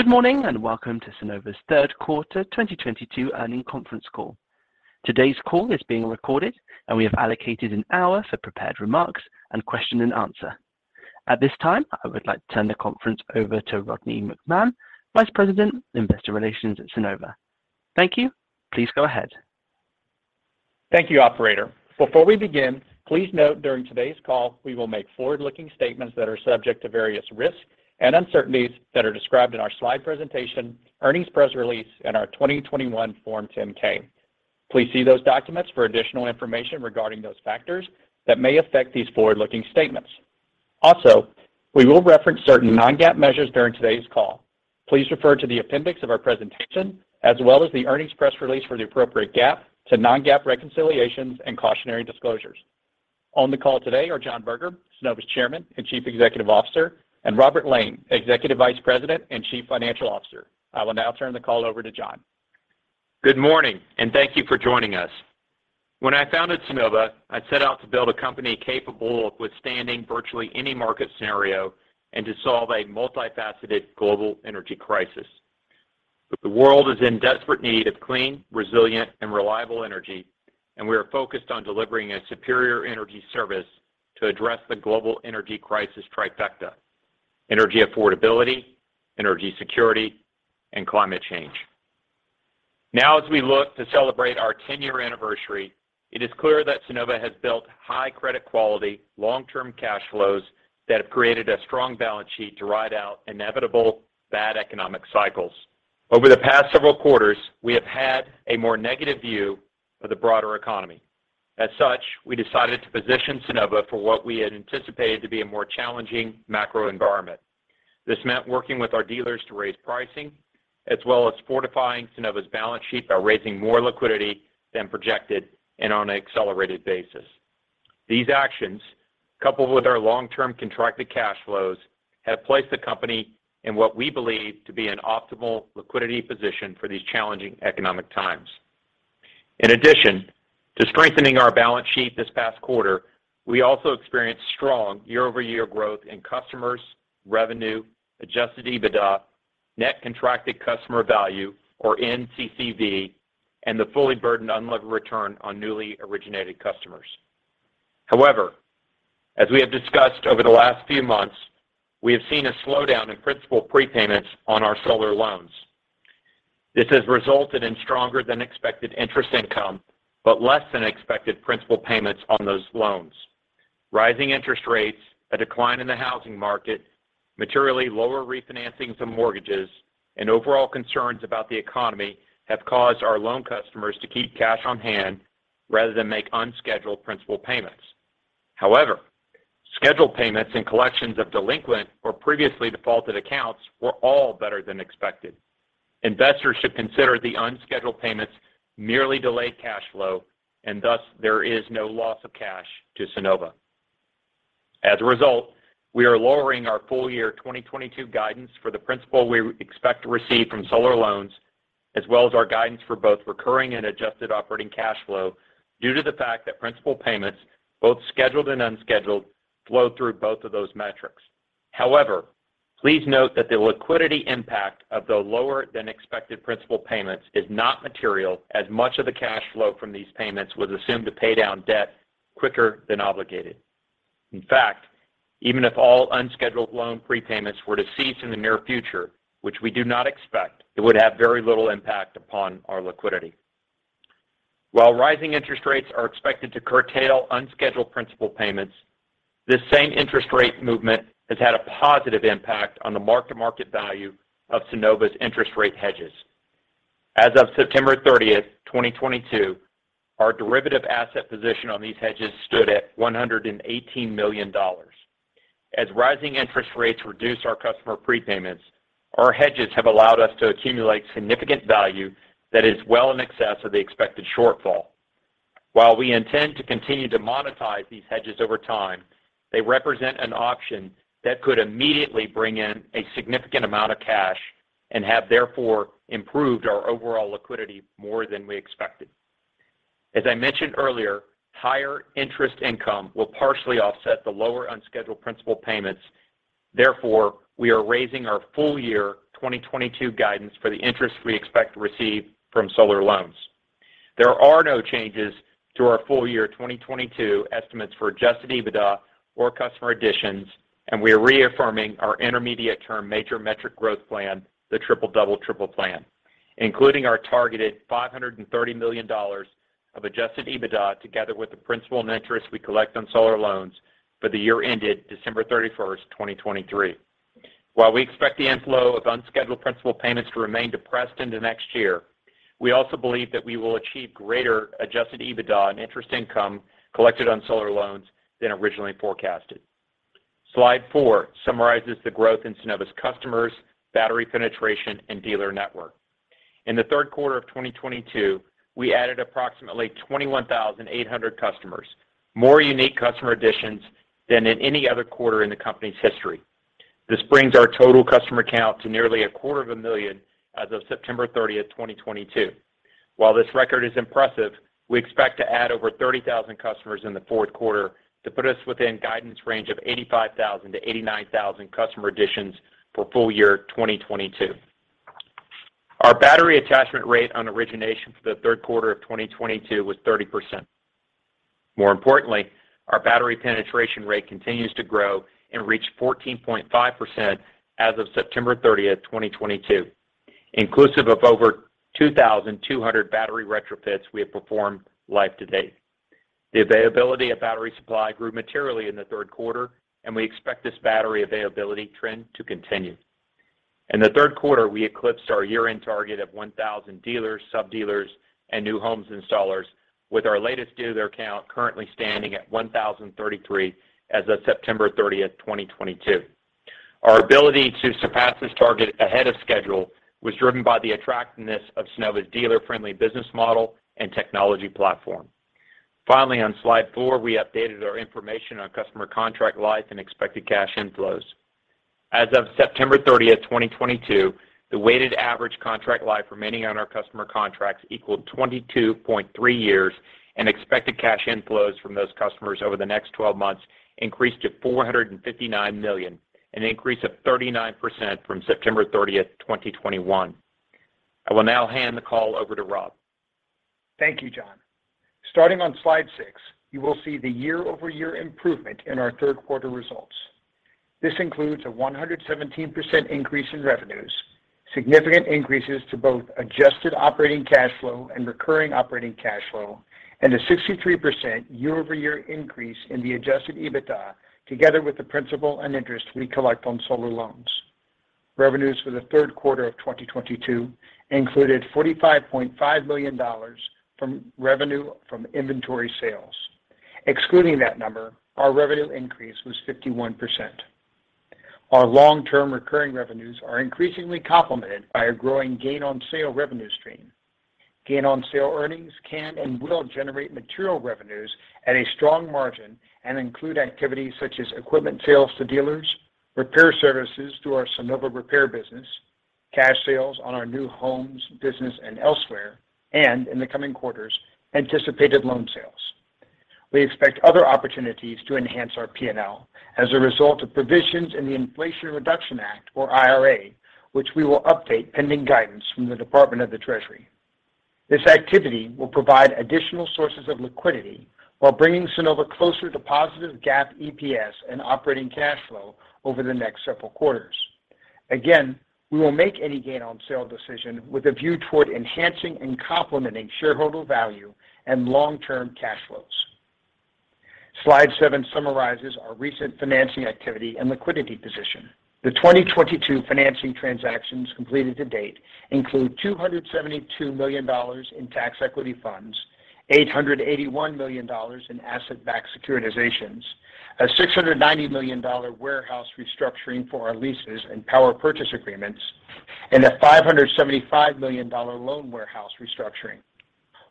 Good morning, and welcome to Sunnova's third quarter 2022 earnings conference call. Today's call is being recorded, and we have allocated an hour for prepared remarks and question and answer. At this time, I would like to turn the conference over to Rodney McMahon, Vice President of Investor Relations at Sunnova. Thank you. Please go ahead. Thank you, operator. Before we begin, please note during today's call, we will make forward-looking statements that are subject to various risks and uncertainties that are described in our slide presentation, earnings press release, and our 2021 Form 10-K. Please see those documents for additional information regarding those factors that may affect these forward-looking statements. Also, we will reference certain Non-GAAP measures during today's call. Please refer to the appendix of our presentation as well as the earnings press release for the appropriate GAAP to Non-GAAP reconciliations and cautionary disclosures. On the call today are John Berger, Sunnova's Chairman and Chief Executive Officer, and Robert Lane, Executive Vice President and Chief Financial Officer. I will now turn the call over to John. Good morning, and thank you for joining us. When I founded Sunnova, I set out to build a company capable of withstanding virtually any market scenario and to solve a multifaceted global energy crisis. The world is in desperate need of clean, resilient, and reliable energy, and we are focused on delivering a superior energy service to address the global energy crisis trifecta. Energy affordability, energy security, and climate change. Now as we look to celebrate our ten-year anniversary, it is clear that Sunnova has built high credit quality, long-term cash flows that have created a strong balance sheet to ride out inevitable bad economic cycles. Over the past several quarters, we have had a more negative view of the broader economy. As such, we decided to position Sunnova for what we had anticipated to be a more challenging macro environment. This meant working with our dealers to raise pricing, as well as fortifying Sunnova's balance sheet by raising more liquidity than projected and on an accelerated basis. These actions, coupled with our long-term contracted cash flows, have placed the company in what we believe to be an optimal liquidity position for these challenging economic times. In addition to strengthening our balance sheet this past quarter, we also experienced strong year-over-year growth in customers, revenue, Adjusted EBITDA, net contracted customer value or NCCV, and the fully burdened unlevered return on newly originated customers. However, as we have discussed over the last few months, we have seen a slowdown in principal prepayments on our solar loans. This has resulted in stronger than expected interest income, but less than expected principal payments on those loans. Rising interest rates, a decline in the housing market, materially lower refinancing some mortgages, and overall concerns about the economy have caused our loan customers to keep cash on hand rather than make unscheduled principal payments. However, scheduled payments and collections of delinquent or previously defaulted accounts were all better than expected. Investors should consider the unscheduled payments merely delayed cash flow, and thus there is no loss of cash to Sunnova. As a result, we are lowering our full year 2022 guidance for the principal we expect to receive from solar loans, as well as our guidance for both recurring and adjusted operating cash flow due to the fact that principal payments, both scheduled and unscheduled, flow through both of those metrics. However, please note that the liquidity impact of the lower than expected principal payments is not material as much of the cash flow from these payments was assumed to pay down debt quicker than obligated. In fact, even if all unscheduled loan prepayments were to cease in the near future, which we do not expect, it would have very little impact upon our liquidity. While rising interest rates are expected to curtail unscheduled principal payments, this same interest rate movement has had a positive impact on the mark-to-market value of Sunnova's interest rate hedges. As of September 30, 2022, our derivative asset position on these hedges stood at $118 million. As rising interest rates reduce our customer prepayments, our hedges have allowed us to accumulate significant value that is well in excess of the expected shortfall. While we intend to continue to monetize these hedges over time, they represent an option that could immediately bring in a significant amount of cash and have therefore improved our overall liquidity more than we expected. As I mentioned earlier, higher interest income will partially offset the lower unscheduled principal payments. Therefore, we are raising our full year 2022 guidance for the interest we expect to receive from solar loans. There are no changes to our full year 2022 estimates for Adjusted EBITDA or customer additions, and we are reaffirming our intermediate-term major metric growth plan, the Triple-Double-Triple Plan, including our targeted $530 million of Adjusted EBITDA together with the principal and interest we collect on solar loans for the year ended December 31, 2023. While we expect the inflow of unscheduled principal payments to remain depressed into next year, we also believe that we will achieve greater Adjusted EBITDA and interest income collected on solar loans than originally forecasted. Slide 4 summarizes the growth in Sunnova's customers, battery penetration, and dealer network. In the third quarter of 2022, we added approximately 21,800 customers, more unique customer additions than in any other quarter in the company's history. This brings our total customer count to nearly 250,000 as of September 30, 2022. While this record is impressive, we expect to add over 30,000 customers in the fourth quarter to put us within guidance range of 85,000-89,000 customer additions for full year 2022. Our battery attachment rate on origination for the third quarter of 2022 was 30%. More importantly, our battery penetration rate continues to grow and reached 14.5% as of September 30, 2022, inclusive of over 2,200 battery retrofits we have performed live to date. The availability of battery supply grew materially in the third quarter, and we expect this battery availability trend to continue. In the third quarter, we eclipsed our year-end target of 1,000 dealers, sub-dealers, and new homes installers with our latest dealer count currently standing at 1,033 as of September 30, 2022. Our ability to surpass this target ahead of schedule was driven by the attractiveness of Sunnova's dealer-friendly business model and technology platform. Finally, on slide four, we updated our information on customer contract life and expected cash inflows. As of September 30, 2022, the weighted average contract life remaining on our customer contracts equaled 22.3 years, and expected cash inflows from those customers over the next twelve months increased to $459 million, an increase of 39% from September 30, 2021. I will now hand the call over to Rob. Thank you, John. Starting on slide six, you will see the year-over-year improvement in our third quarter results. This includes a 117% increase in revenues, significant increases to both adjusted operating cash flow and recurring operating cash flow, and a 63% year-over-year increase in the adjusted EBITDA, together with the principal and interest we collect on solar loans. Revenues for the third quarter of 2022 included $45.5 million from revenue from inventory sales. Excluding that number, our revenue increase was 51%. Our long-term recurring revenues are increasingly complemented by a growing gain on sale revenue stream. Gain on sale earnings can and will generate material revenues at a strong margin and include activities such as equipment sales to dealers, repair services through our Sunnova Repair business, cash sales on our new homes business and elsewhere, and in the coming quarters, anticipated loan sales. We expect other opportunities to enhance our P&L as a result of provisions in the Inflation Reduction Act, or IRA, which we will update pending guidance from the Department of the Treasury. This activity will provide additional sources of liquidity while bringing Sunnova closer to positive GAAP EPS and operating cash flow over the next several quarters. Again, we will make any gain on sale decision with a view toward enhancing and complementing shareholder value and long-term cash flows. Slide seven summarizes our recent financing activity and liquidity position. The 2022 financing transactions completed to date include $272 million in tax equity funds, $881 million in asset-backed securitizations, a $690 million warehouse restructuring for our leases and power purchase agreements, and a $575 million loan warehouse restructuring.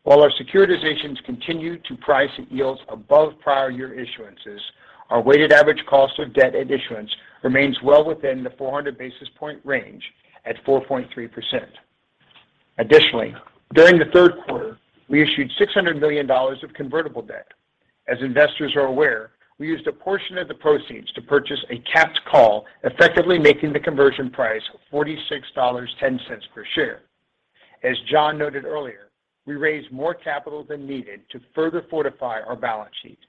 While our securitizations continue to price at yields above prior year issuances, our weighted average cost of debt at issuance remains well within the 400 basis point range at 4.3%. Additionally, during the third quarter, we issued $600 million of convertible debt. As investors are aware, we used a portion of the proceeds to purchase a capped call, effectively making the conversion price $46.10 per share. As John noted earlier, we raised more capital than needed to further fortify our balance sheet.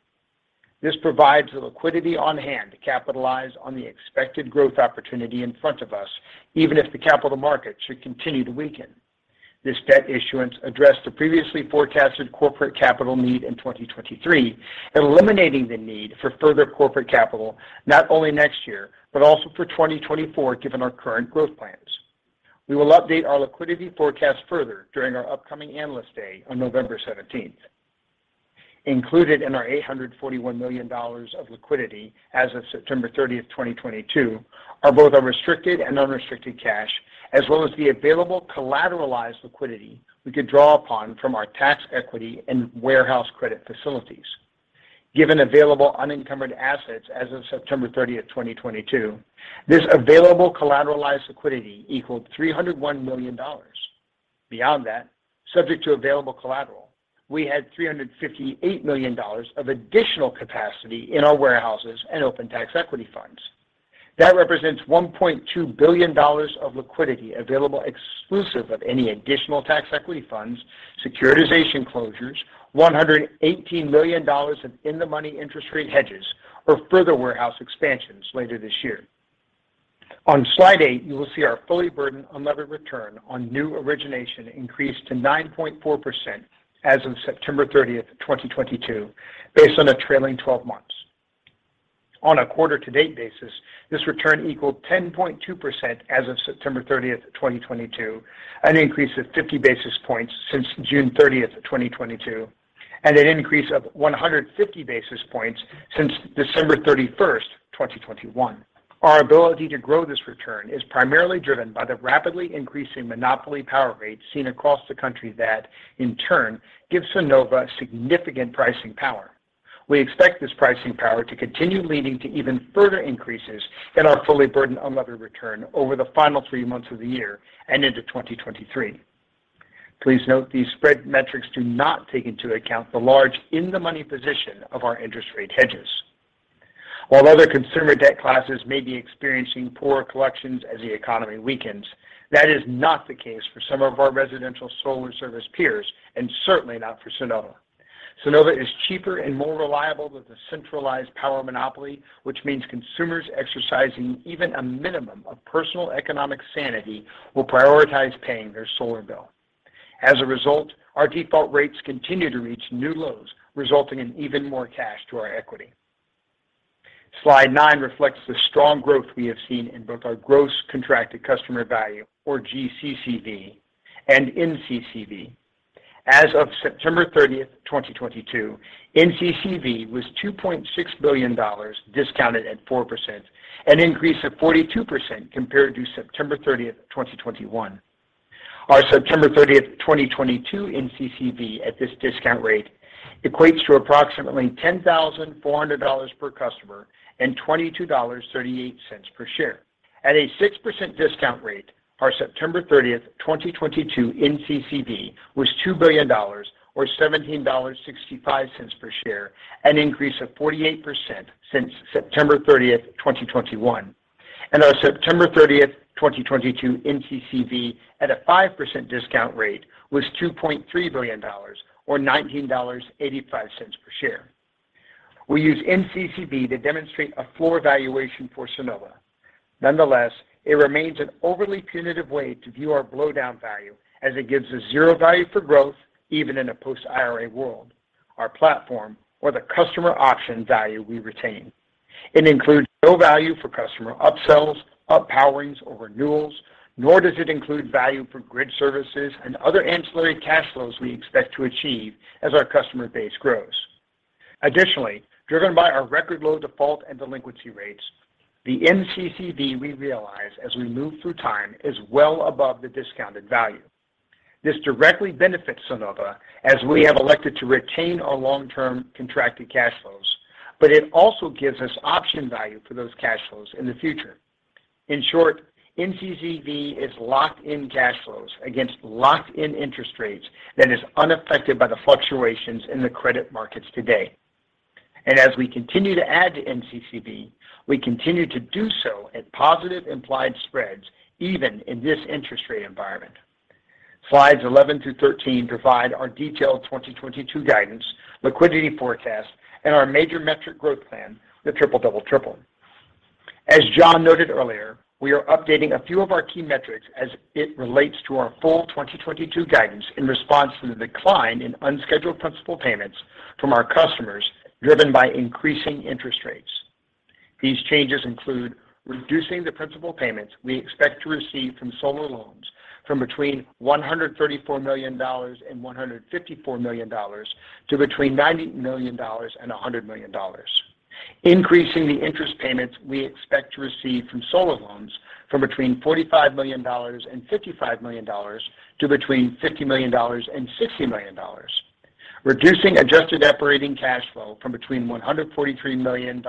This provides the liquidity on hand to capitalize on the expected growth opportunity in front of us, even if the capital markets should continue to weaken. This debt issuance addressed the previously forecasted corporate capital need in 2023, eliminating the need for further corporate capital not only next year, but also for 2024, given our current growth plans. We will update our liquidity forecast further during our upcoming Analyst Day on November seventeenth. Included in our $841 million of liquidity as of September 30, 2022 are both our restricted and unrestricted cash, as well as the available collateralized liquidity we could draw upon from our tax equity and warehouse credit facilities. Given available unencumbered assets as of September 30, 2022, this available collateralized liquidity equaled $301 million. Beyond that, subject to available collateral, we had $358 million of additional capacity in our warehouses and open tax equity funds. That represents $1.2 billion of liquidity available exclusive of any additional tax equity funds, securitization closures, $118 million of in-the-money interest rate hedges or further warehouse expansions later this year. On slide eight, you will see our fully burdened unlevered return on new origination increased to 9.4% as of September 30, 2022, based on a trailing twelve months. On a quarter-to-date basis, this return equaled 10.2% as of September 30, 2022, an increase of 50 basis points since June 30, 2022, and an increase of 150 basis points since December 31, 2021. Our ability to grow this return is primarily driven by the rapidly increasing monopoly power rates seen across the country that, in turn, gives Sunnova significant pricing power. We expect this pricing power to continue leading to even further increases in our fully burdened unlevered return over the final three months of the year and into 2023. Please note these spread metrics do not take into account the large in-the-money position of our interest rate hedges. While other consumer debt classes may be experiencing poor collections as the economy weakens, that is not the case for some of our residential solar service peers, and certainly not for Sunnova. Sunnova is cheaper and more reliable than the centralized power monopoly, which means consumers exercising even a minimum of personal economic sanity will prioritize paying their solar bill. As a result, our default rates continue to reach new lows, resulting in even more cash to our equity. Slide nine reflects the strong growth we have seen in both our gross contracted customer value, or GCCV, and NCCV. As of September 30, 2022, NCCV was $2.6 billion discounted at 4%, an increase of 42% compared to September 30, 2021. Our September 30, 2022, NCCV at this discount rate equates to approximately $10,400 per customer and $22.38 per share. At a 6% discount rate, our September 30, 2022, NCCV was $2 billion or $17.65 per share, an increase of 48% since September 30, 2021. Our September 30, 2022, NCCV at a 5% discount rate was $2.3 billion or $19.85 per share. We use NCCV to demonstrate a floor valuation for Sunnova. Nonetheless, it remains an overly punitive way to view our blowdown value as it gives us zero value for growth even in a post IRA world, our platform or the customer option value we retain. It includes no value for customer upsells, up-powerings or renewals, nor does it include value for grid services and other ancillary cash flows we expect to achieve as our customer base grows. Additionally, driven by our record low default and delinquency rates, the NCCV we realize as we move through time is well above the discounted value. This directly benefits Sunnova as we have elected to retain our long-term contracted cash flows, but it also gives us option value for those cash flows in the future. In short, NCCV is locked in cash flows against locked in interest rates that is unaffected by the fluctuations in the credit markets today. As we continue to add to NCCV, we continue to do so at positive implied spreads even in this interest rate environment. Slides 11 through 13 provide our detailed 2022 guidance, liquidity forecast, and our major metric growth plan, the Triple Double Triple. As John noted earlier, we are updating a few of our key metrics as it relates to our full 2022 guidance in response to the decline in unscheduled principal payments from our customers driven by increasing interest rates. These changes include reducing the principal payments we expect to receive from solar loans from between $134 million and $154 million to between $90 million and $100 million. Increasing the interest payments we expect to receive from solar loans from between $45 million and $55 million to between $50 million and $60 million. Reducing adjusted operating cash flow from between $143 million and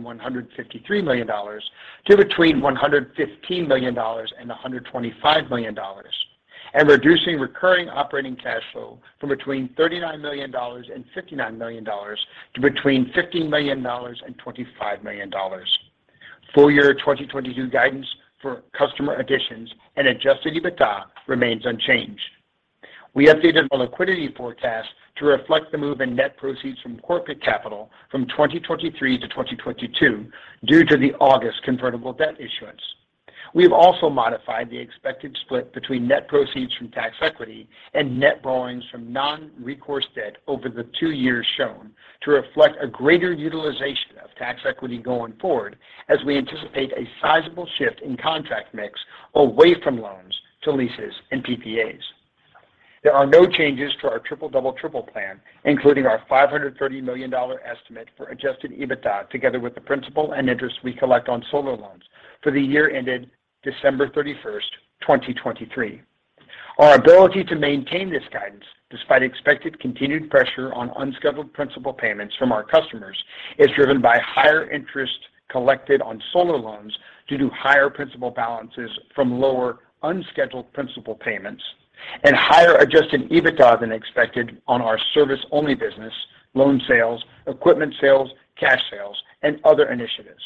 $153 million to between $115 million and $125 million. Reducing recurring operating cash flow from between $39 million and $59 million to between $15 million and $25 million. Full year 2022 guidance for customer additions and Adjusted EBITDA remains unchanged. We updated our liquidity forecast to reflect the move in net proceeds from corporate capital from 2023 to 2022 due to the August convertible debt issuance. We have also modified the expected split between net proceeds from tax equity and net borrowings from non-recourse debt over the two years shown to reflect a greater utilization of tax equity going forward as we anticipate a sizable shift in contract mix away from loans to leases and PPAs. There are no changes to our Triple-Double-Triple Plan, including our $530 million estimate for Adjusted EBITDA together with the principal and interest we collect on solar loans for the year ended December 31, 2023. Our ability to maintain this guidance despite expected continued pressure on unscheduled principal payments from our customers is driven by higher interest collected on solar loans due to higher principal balances from lower unscheduled principal payments. Higher Adjusted EBITDA than expected on our service-only business, loan sales, equipment sales, cash sales, and other initiatives.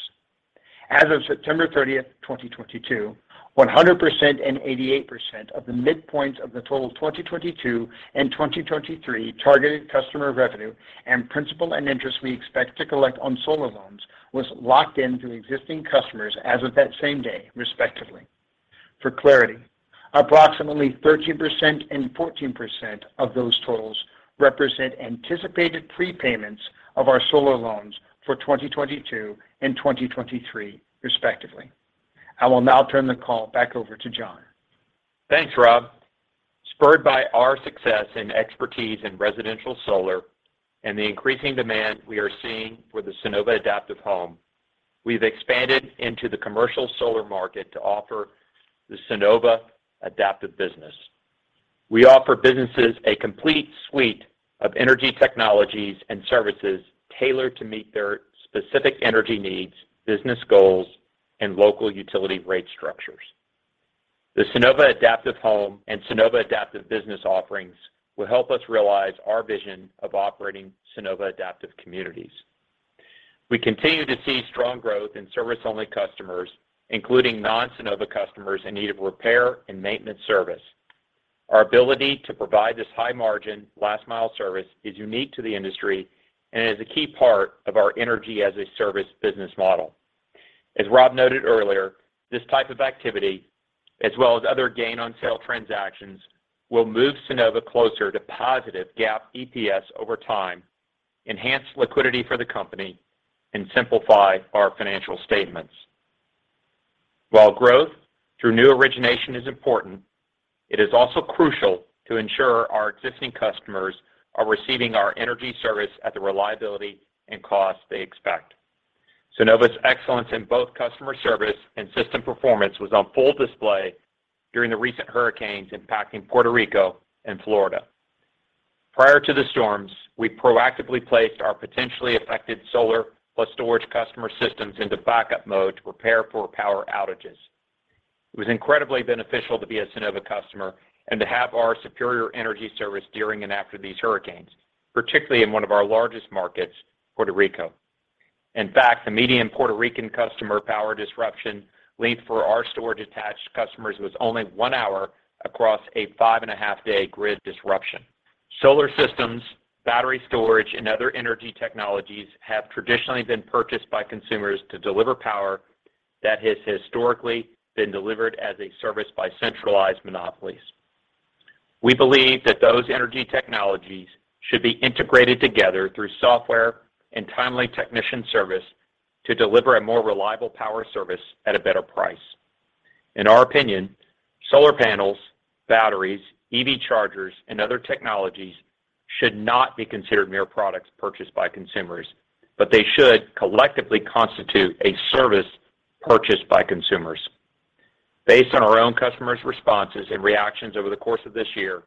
As of September 30, 2022, 100% and 88% of the midpoints of the total 2022 and 2023 targeted customer revenue and principal and interest we expect to collect on solar loans was locked in through existing customers as of that same day, respectively. For clarity, approximately 13% and 14% of those totals represent anticipated prepayments of our solar loans for 2022 and 2023 respectively. I will now turn the call back over to John. Thanks, Rob. Spurred by our success and expertise in residential solar and the increasing demand we are seeing for the Sunnova Adaptive Home, we've expanded into the commercial solar market to offer the Sunnova Adaptive Business. We offer businesses a complete suite of energy technologies and services tailored to meet their specific energy needs, business goals, and local utility rate structures. The Sunnova Adaptive Home and Sunnova Adaptive Business offerings will help us realize our vision of operating Sunnova Adaptive Communities. We continue to see strong growth in service-only customers, including non-Sunnova customers in need of repair and maintenance service. Our ability to provide this high-margin last-mile service is unique to the industry and is a key part of our energy-as-a-service business model. As Rob noted earlier, this type of activity, as well as other gain-on-sale transactions, will move Sunnova closer to positive GAAP EPS over time, enhance liquidity for the company, and simplify our financial statements. While growth through new origination is important, it is also crucial to ensure our existing customers are receiving our energy service at the reliability and cost they expect. Sunnova's excellence in both customer service and system performance was on full display during the recent hurricanes impacting Puerto Rico and Florida. Prior to the storms, we proactively placed our potentially affected solar-plus-storage customer systems into backup mode to prepare for power outages. It was incredibly beneficial to be a Sunnova customer and to have our superior energy service during and after these hurricanes, particularly in one of our largest markets, Puerto Rico. In fact, the median Puerto Rican customer power disruption length for our storage-attached customers was only one hour across a 5.5-day grid disruption. Solar systems, battery storage, and other energy technologies have traditionally been purchased by consumers to deliver power that has historically been delivered as a service by centralized monopolies. We believe that those energy technologies should be integrated together through software and timely technician service to deliver a more reliable power service at a better price. In our opinion, solar panels, batteries, EV chargers, and other technologies should not be considered mere products purchased by consumers, but they should collectively constitute a service purchased by consumers. Based on our own customers' responses and reactions over the course of this year,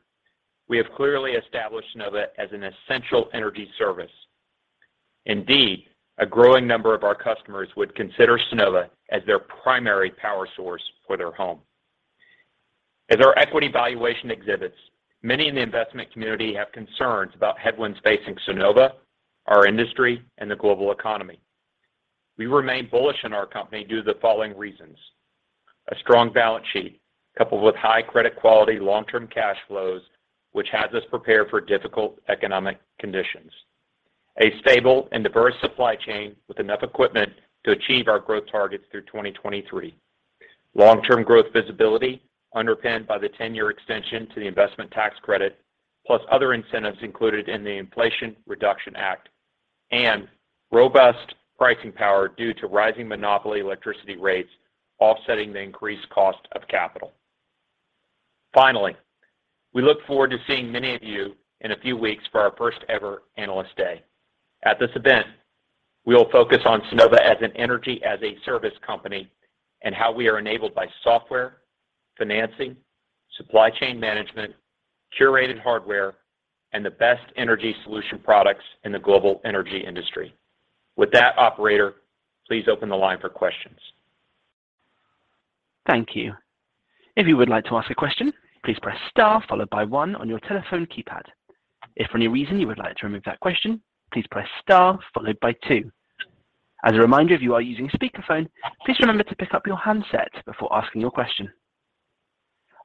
we have clearly established Sunnova as an essential energy service. Indeed, a growing number of our customers would consider Sunnova as their primary power source for their home. As our equity valuation exhibits, many in the investment community have concerns about headwinds facing Sunnova, our industry, and the global economy. We remain bullish on our company due to the following reasons. A strong balance sheet coupled with high credit quality long-term cash flows, which has us prepared for difficult economic conditions. A stable and diverse supply chain with enough equipment to achieve our growth targets through 2023. Long-term growth visibility underpinned by the ten-year extension to the investment tax credit plus other incentives included in the Inflation Reduction Act. Robust pricing power due to rising monopoly electricity rates offsetting the increased cost of capital. Finally, we look forward to seeing many of you in a few weeks for our first-ever Analyst Day.At this event, we will focus on Sunnova as an energy-as-a-service company and how we are enabled by software, financing, supply chain management, curated hardware, and the best energy solution products in the global energy industry. With that, operator, please open the line for questions. Thank you. If you would like to ask a question, please press star followed by one on your telephone keypad. If for any reason you would like to remove that question, please press star followed by two. As a reminder, if you are using speakerphone, please remember to pick up your handset before asking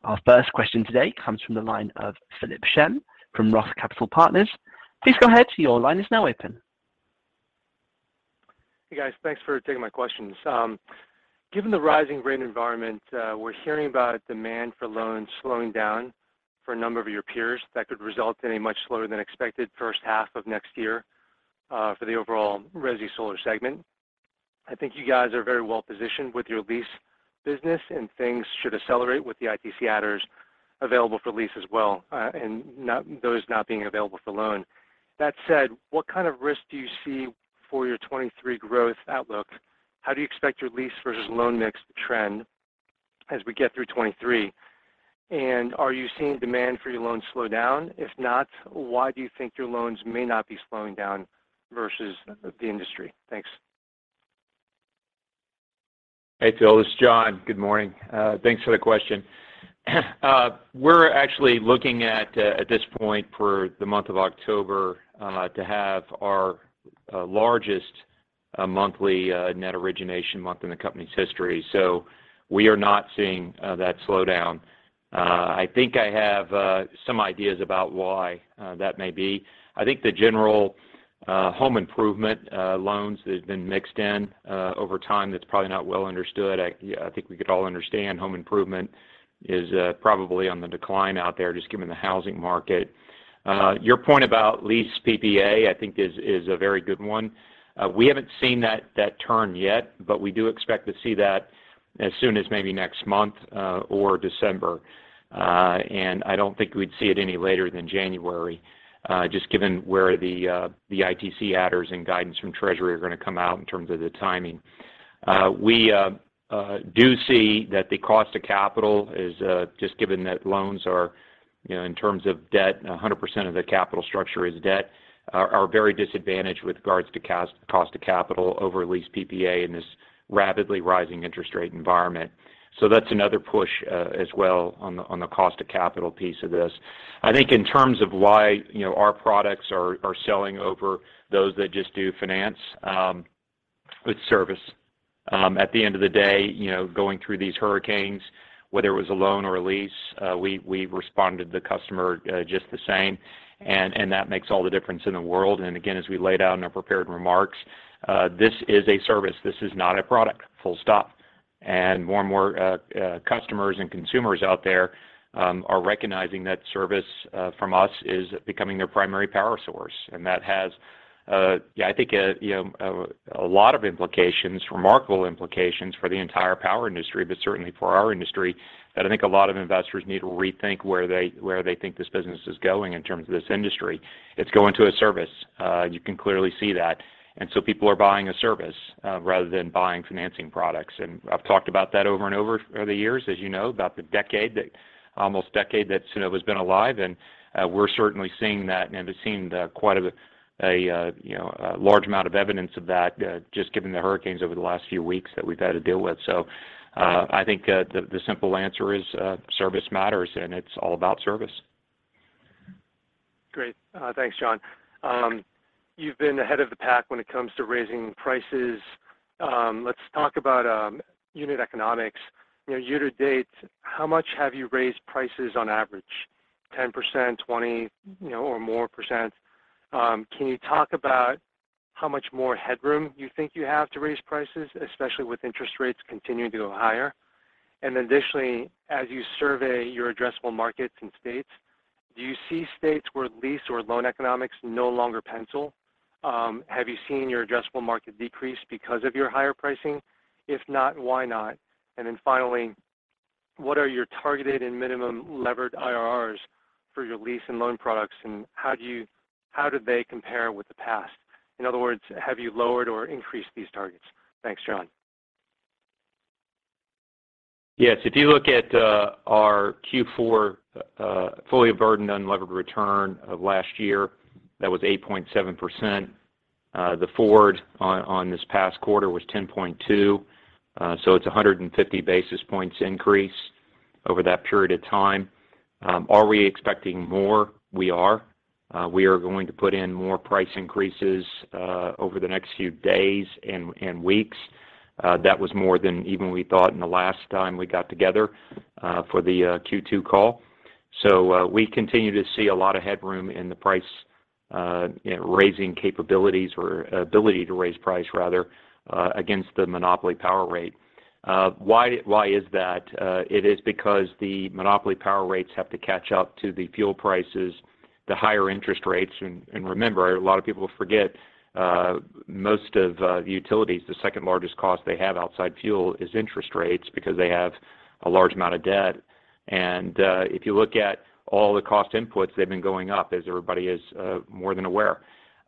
your question. Our first question today comes from the line of Philip Shen from Roth Capital Partners. Please go ahead. Your line is now open. Hey, guys. Thanks for taking my questions. Given the rising rate environment, we're hearing about demand for loans slowing down for a number of your peers that could result in a much slower than expected first half of next year for the overall resi solar segment. I think you guys are very well positioned with your lease business and things should accelerate with the ITC adders available for lease as well and those not being available for loan. That said, what kind of risk do you see for your 2023 growth outlook? How do you expect your lease versus loan mix to trend as we get through 2023? And are you seeing demand for your loans slow down? If not, why do you think your loans may not be slowing down versus the industry? Thanks. Hey, Phil. This is John. Good morning. Thanks for the question. We're actually looking at this point for the month of October to have our largest monthly net origination month in the company's history. We are not seeing that slowdown. I think I have some ideas about why that may be. I think the general home improvement loans that have been mixed in over time that's probably not well understood. I think we could all understand home improvement is probably on the decline out there just given the housing market. Your point about lease PPA I think is a very good one. We haven't seen that turn yet, but we do expect to see that as soon as maybe next month or December. I don't think we'd see it any later than January just given where the ITC adders and guidance from Treasury are going to come out in terms of the timing. We do see that the cost of capital is just given that loans are, you know, in terms of debt, 100% of the capital structure is debt, very disadvantaged with regards to cost of capital over lease PPA in this rapidly rising interest rate environment. That's another push as well on the cost of capital piece of this. I think in terms of why, you know, our products are selling over those that just do finance, it's service. At the end of the day, you know, going through these hurricanes, whether it was a loan or a lease, we responded to the customer just the same. That makes all the difference in the world. Again, as we laid out in our prepared remarks, this is a service, this is not a product, full stop. More and more, customers and consumers out there are recognizing that service from us is becoming their primary power source. That has, I think, you know, a lot of implications, remarkable implications for the entire power industry, but certainly for our industry, that I think a lot of investors need to rethink where they think this business is going in terms of this industry. It's going to a service. You can clearly see that. People are buying a service rather than buying financing products. I've talked about that over and over for the years, as you know, about the almost decade that Sunnova's been alive, and we're certainly seeing that, and have seen, you know, quite a large amount of evidence of that just given the hurricanes over the last few weeks that we've had to deal with. I think the simple answer is service matters, and it's all about service. Great. Thanks, John. You've been ahead of the pack when it comes to raising prices. Let's talk about unit economics. You know, year to date, how much have you raised prices on average? 10%, 20%, you know, or more percent? Can you talk about how much more headroom you think you have to raise prices, especially with interest rates continuing to go higher? And additionally, as you survey your addressable markets and states, do you see states where lease or loan economics no longer pencil? Have you seen your addressable market decrease because of your higher pricing? If not, why not? And then finally, what are your targeted and minimum levered IRRs for your lease and loan products, and how do they compare with the past? In other words, have you lowered or increased these targets? Thanks, John. Yes. If you look at our Q4 fully burdened unlevered return of last year, that was 8.7%. The forward on this past quarter was 10.2. It's 150 basis points increase over that period of time. Are we expecting more? We are. We are going to put in more price increases over the next few days and weeks. That was more than even we thought in the last time we got together for the Q2 call. We continue to see a lot of headroom in the price, you know, raising capabilities or ability to raise price rather against the monopoly power rate. Why is that? It is because the monopoly power rates have to catch up to the fuel prices, the higher interest rates. Remember, a lot of people forget, most of the utilities, the second largest cost they have outside fuel is interest rates because they have a large amount of debt. If you look at all the cost inputs, they've been going up, as everybody is more than aware.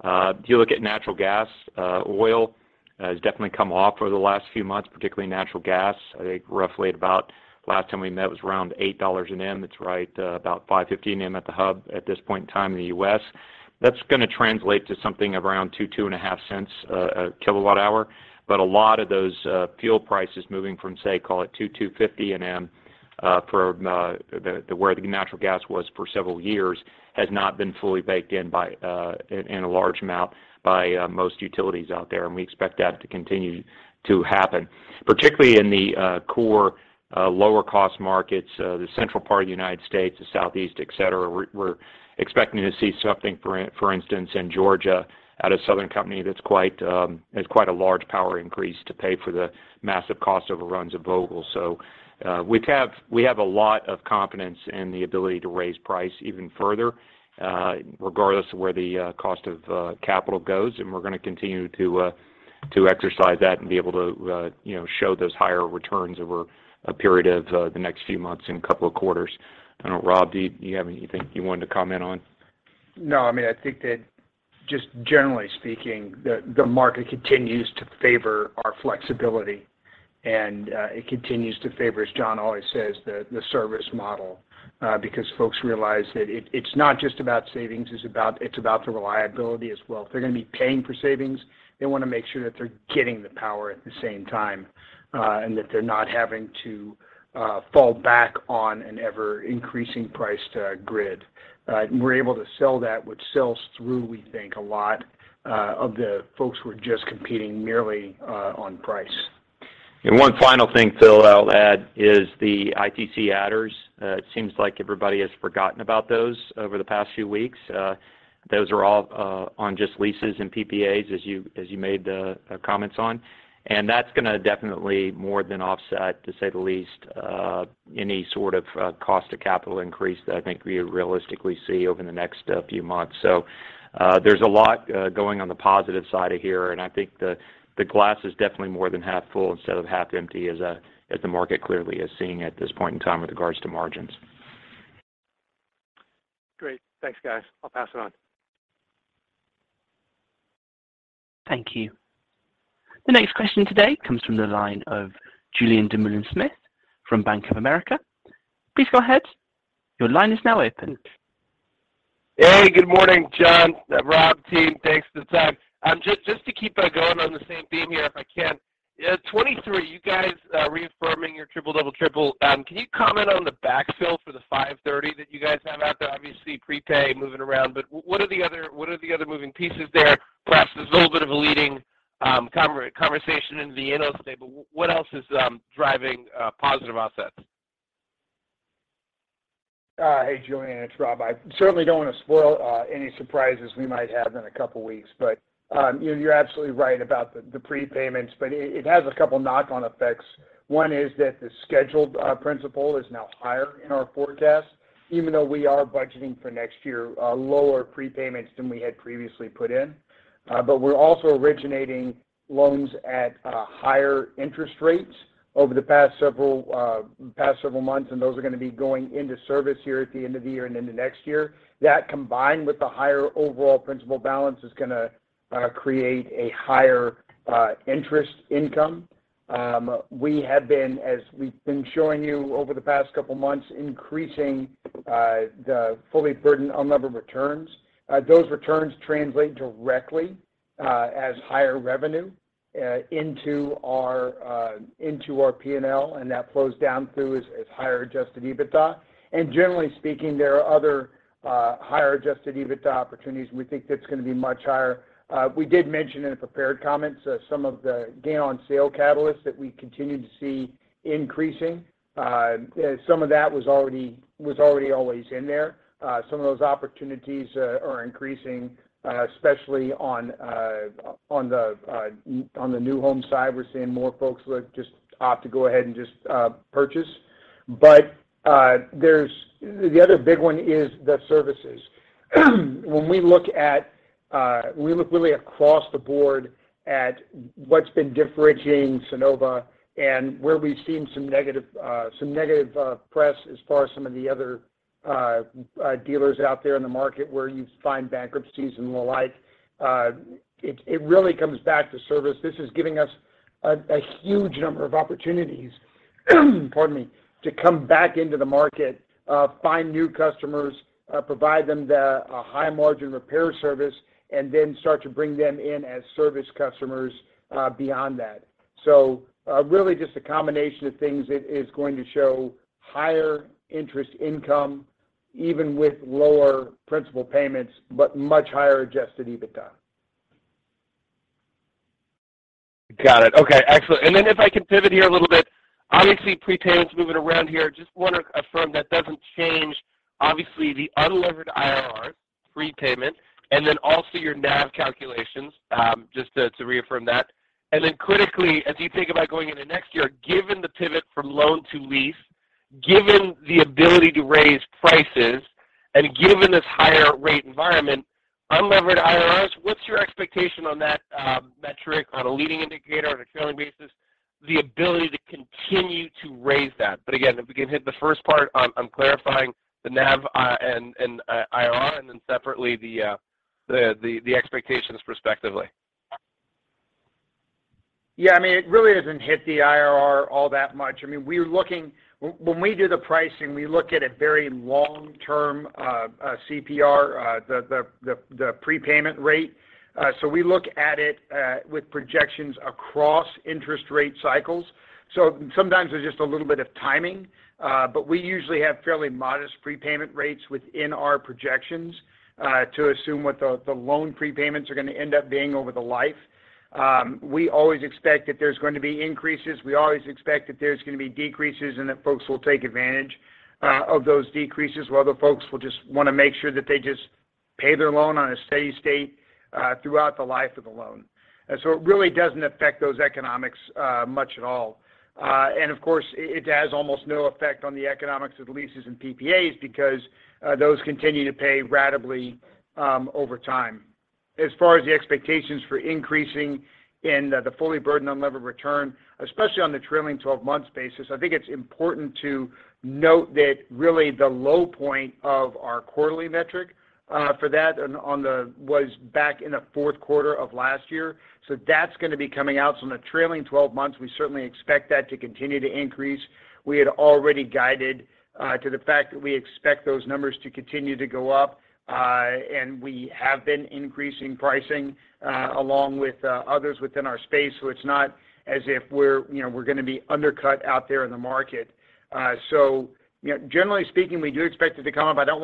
If you look at natural gas, oil has definitely come off over the last few months, particularly natural gas. I think roughly at about last time we met was around $8 an M. It's right about 5.15 M at the hub at this point in time in the US. That's gonna translate to something around $0.02-$0.025/kWh. A lot of those fuel prices moving from, say, call it $2-$2.50 an M for the where the natural gas was for several years has not been fully baked in in a large amount by most utilities out there, and we expect that to continue to happen. Particularly in the core lower cost markets the central part of the United States, the Southeast, etc., we're expecting to see something, for instance, in Georgia, at a Southern Company that's quite has quite a large power increase to pay for the massive cost overruns of Vogtle. We have a lot of confidence in the ability to raise price even further regardless of where the cost of capital goes. We're gonna continue to exercise that and be able to, you know, show those higher returns over a period of the next few months and couple of quarters. I don't know, Rob, do you have anything you wanted to comment on? No. I mean, I think that just generally speaking, the market continues to favor our flexibility. It continues to favor, as John always says, the service model, because folks realize that it's not just about savings, it's about the reliability as well. If they're gonna be paying for savings, they wanna make sure that they're getting the power at the same time, and that they're not having to fall back on an ever-increasing priced grid. We're able to sell that, which sells through, we think, a lot of the folks who are just competing merely on price. One final thing, Philip, I'll add, is the ITC adders. It seems like everybody has forgotten about those over the past few weeks. Those are all on just leases and PPAs as you made the comments on. That's gonna definitely more than offset, to say the least, any sort of cost of capital increase that I think we realistically see over the next few months. There's a lot going on the positive side of here, and I think the glass is definitely more than half full instead of half empty as the market clearly is seeing at this point in time with regards to margins. Great. Thanks guys. I'll pass it on. Thank you. The next question today comes from the line of Julien Dumoulin-Smith from Bank of America. Please go ahead. Your line is now open. Hey, good morning, John, Rob, team. Thanks for the time. Just to keep going on the same theme here, if I can. 2023, you guys reaffirming your triple double triple. Can you comment on the backfill for the 530 that you guys have out there? Obviously prepay moving around, but what are the other moving pieces there? Perhaps there's a little bit of a leading conversation in the analyst day, but what else is driving positive offsets? Hey, Julien Dumoulin-Smith, it's Robert Lane. I certainly don't want to spoil any surprises we might have in a couple of weeks, but you know, you're absolutely right about the prepayments. It has a couple of knock-on effects. One is that the scheduled principal is now higher in our forecast, even though we are budgeting for next year lower prepayments than we had previously put in. We're also originating loans at higher interest rates over the past several months, and those are gonna be going into service here at the end of the year and into next year. That combined with the higher overall principal balance is gonna create a higher interest income. We have been, as we've been showing you over the past couple of months, increasing the fully burdened unlevered returns. Those returns translate directly as higher revenue into our P&L, and that flows down through as higher Adjusted EBITDA. Generally speaking, there are other higher Adjusted EBITDA opportunities. We think that's gonna be much higher. We did mention in the prepared comments some of the gain on sale catalysts that we continue to see increasing. Some of that was already always in there. Some of those opportunities are increasing, especially on the new home side. We're seeing more folks just opt to go ahead and just purchase. There's the other big one is the services. We look really across the board at what's been differentiating Sunnova and where we've seen some negative press as far as some of the other dealers out there in the market where you find bankruptcies and the like. It really comes back to service. This is giving us a huge number of opportunities, pardon me, to come back into the market, find new customers, provide them the high-margin repair service, and then start to bring them in as service customers beyond that. Really just a combination of things that is going to show higher interest income, even with lower principal payments, but much higher Adjusted EBITDA. Got it. Okay. Excellent. If I can pivot here a little bit. Obviously, prepayments moving around here. Just wanna affirm that doesn't change, obviously, the unlevered IRRs prepayment, and then also your NAV calculations, just to reaffirm that. Critically, as you think about going into next year, given the pivot from loan to lease, given the ability to raise prices, and given this higher rate environment, unlevered IRRs, what's your expectation on that metric on a leading indicator on a trailing basis, the ability to continue to raise that? Again, if we can hit the first part on clarifying the NAV, and IRR, and then separately the expectations respectively. Yeah, I mean, it really doesn't hit the IRR all that much. I mean, when we do the pricing, we look at a very long-term CPR, the prepayment rate. We look at it with projections across interest rate cycles. Sometimes there's just a little bit of timing, but we usually have fairly modest prepayment rates within our projections to assume what the loan prepayments are gonna end up being over the life. We always expect that there's going to be increases. We always expect that there's gonna be decreases, and that folks will take advantage of those decreases, while other folks will just wanna make sure that they just pay their loan on a steady state throughout the life of the loan. It really doesn't affect those economics much at all. Of course, it has almost no effect on the economics of leases and PPAs because those continue to pay ratably over time. As far as the expectations for increasing in the fully burdened unlevered return, especially on the trailing 12 months basis, I think it's important to note that really the low point of our quarterly metric for that on the was back in the fourth quarter of last year. That's gonna be coming out. On a trailing 12 months, we certainly expect that to continue to increase. We had already guided to the fact that we expect those numbers to continue to go up and we have been increasing pricing along with others within our space, so it's not as if we're, you know, we're gonna be undercut out there in the market. You know, generally speaking, we do expect it to come up. I don't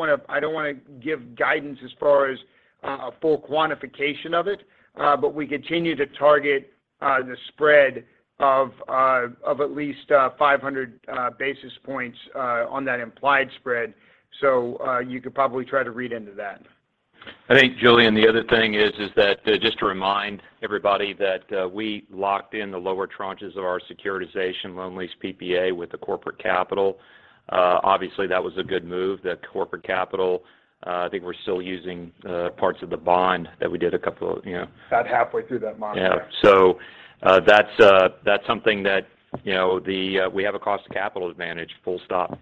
wanna give guidance as far as a full quantification of it, but we continue to target the spread of at least 500 basis points on that implied spread. You could probably try to read into that. I think, Julien, the other thing is that just to remind everybody that we locked in the lower tranches of our securitization loan lease PPA with the corporate capital. Obviously, that was a good move. The corporate capital, I think we're still using parts of the bond that we did a couple of, you know- About halfway through that monitoring. Yeah. That's something that you know we have a cost of capital advantage, full stop.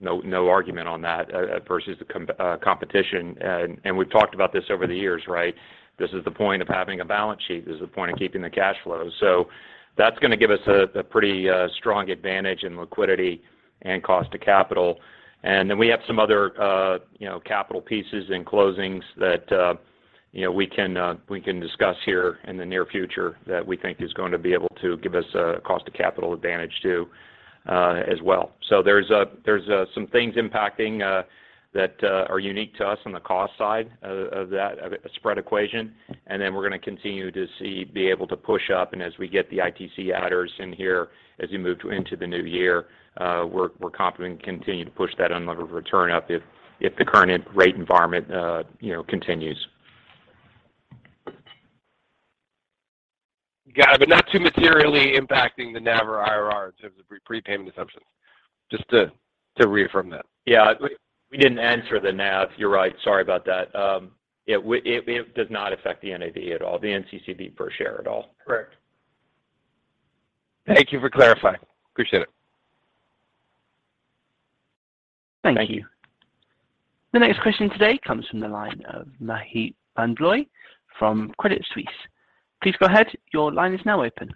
No argument on that versus the competition. We've talked about this over the years, right? This is the point of having a balance sheet. This is the point of keeping the cash flow. That's gonna give us a pretty strong advantage in liquidity and cost of capital. Then we have some other you know capital pieces and closings that you know we can discuss here in the near future that we think is going to be able to give us a cost of capital advantage too, as well. There's some things impacting that are unique to us on the cost side of that spread equation. We're gonna continue to be able to push up. As we get the ITC adders in here, as we move into the new year, we're confident we can continue to push that unlevered return up if the current rate environment, you know, continues. Got it. Not too materially impacting the NAV or IRR in terms of pre-prepayment assumptions. Just to reaffirm that. Yeah. We didn't answer the NAV. You're right. Sorry about that. It does not affect the NAV at all, the NCCV per share at all. Correct. Thank you for clarifying. Appreciate it. Thank you. The next question today comes from the line of Maheep Mandloi from Credit Suisse. Please go ahead. Your line is now open.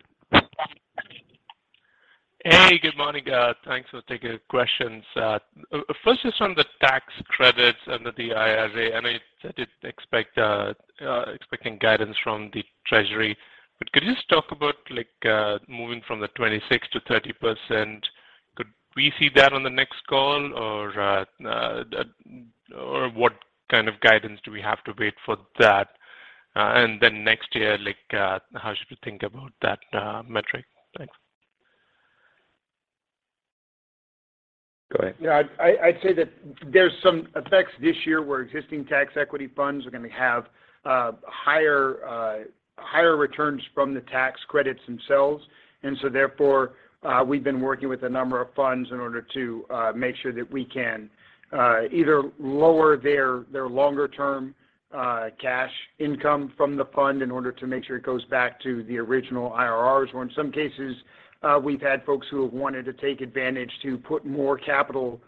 Hey, good morning. Thanks for taking questions. First, just on the tax credits under the IRA, I know, expecting guidance from the Treasury. Could you just talk about like, moving from the 26% to 30%, could we see that on the next call or what kind of guidance do we have to wait for that? Next year, like, how should we think about that metric? Thanks. Go ahead. Yeah. I'd say that there's some effects this year where existing tax equity funds are gonna have higher returns from the tax credits themselves, and so therefore we've been working with a number of funds in order to make sure that we can either lower their longer term cash income from the fund in order to make sure it goes back to the original IRRs. Or in some cases, we've had folks who have wanted to take advantage to put more capital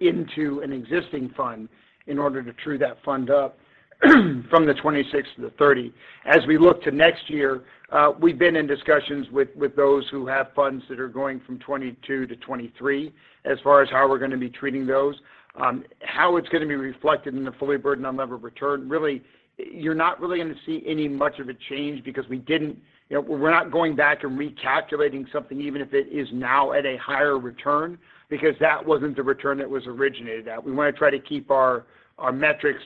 into an existing fund in order to true that fund up from the 26% to the 30%. As we look to next year, we've been in discussions with those who have funds that are going from 2022 to 2023 as far as how we're gonna be treating those. How it's gonna be reflected in the fully burdened unlevered return, really, you're not really gonna see any much of a change because we didn't. You know, we're not going back and recalculating something, even if it is now at a higher return, because that wasn't the return that was originated at. We wanna try to keep our metrics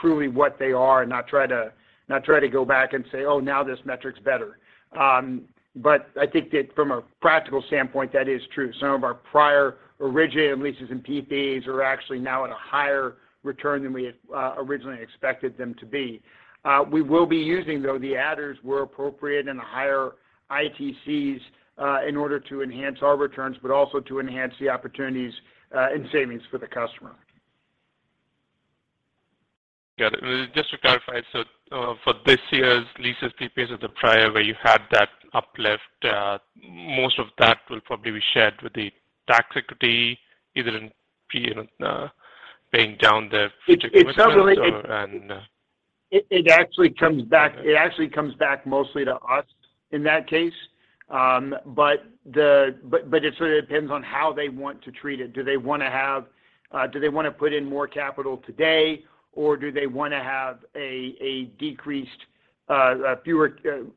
truly what they are and not try to go back and say, "Oh, now this metric's better." I think that from a practical standpoint, that is true. Some of our prior originated leases and PPAs are actually now at a higher return than we had originally expected them to be. We will be using, though, the adders where appropriate and the higher ITCs in order to enhance our returns, but also to enhance the opportunities and savings for the customer. Got it. Just to clarify, for this year's leases, PPAs of the prior where you had that uplift, most of that will probably be shared with the tax equity, either in, you know, paying down the future equipment or and. It sounds like it actually comes back mostly to us in that case. It sort of depends on how they want to treat it. Do they wanna put in more capital today, or do they wanna have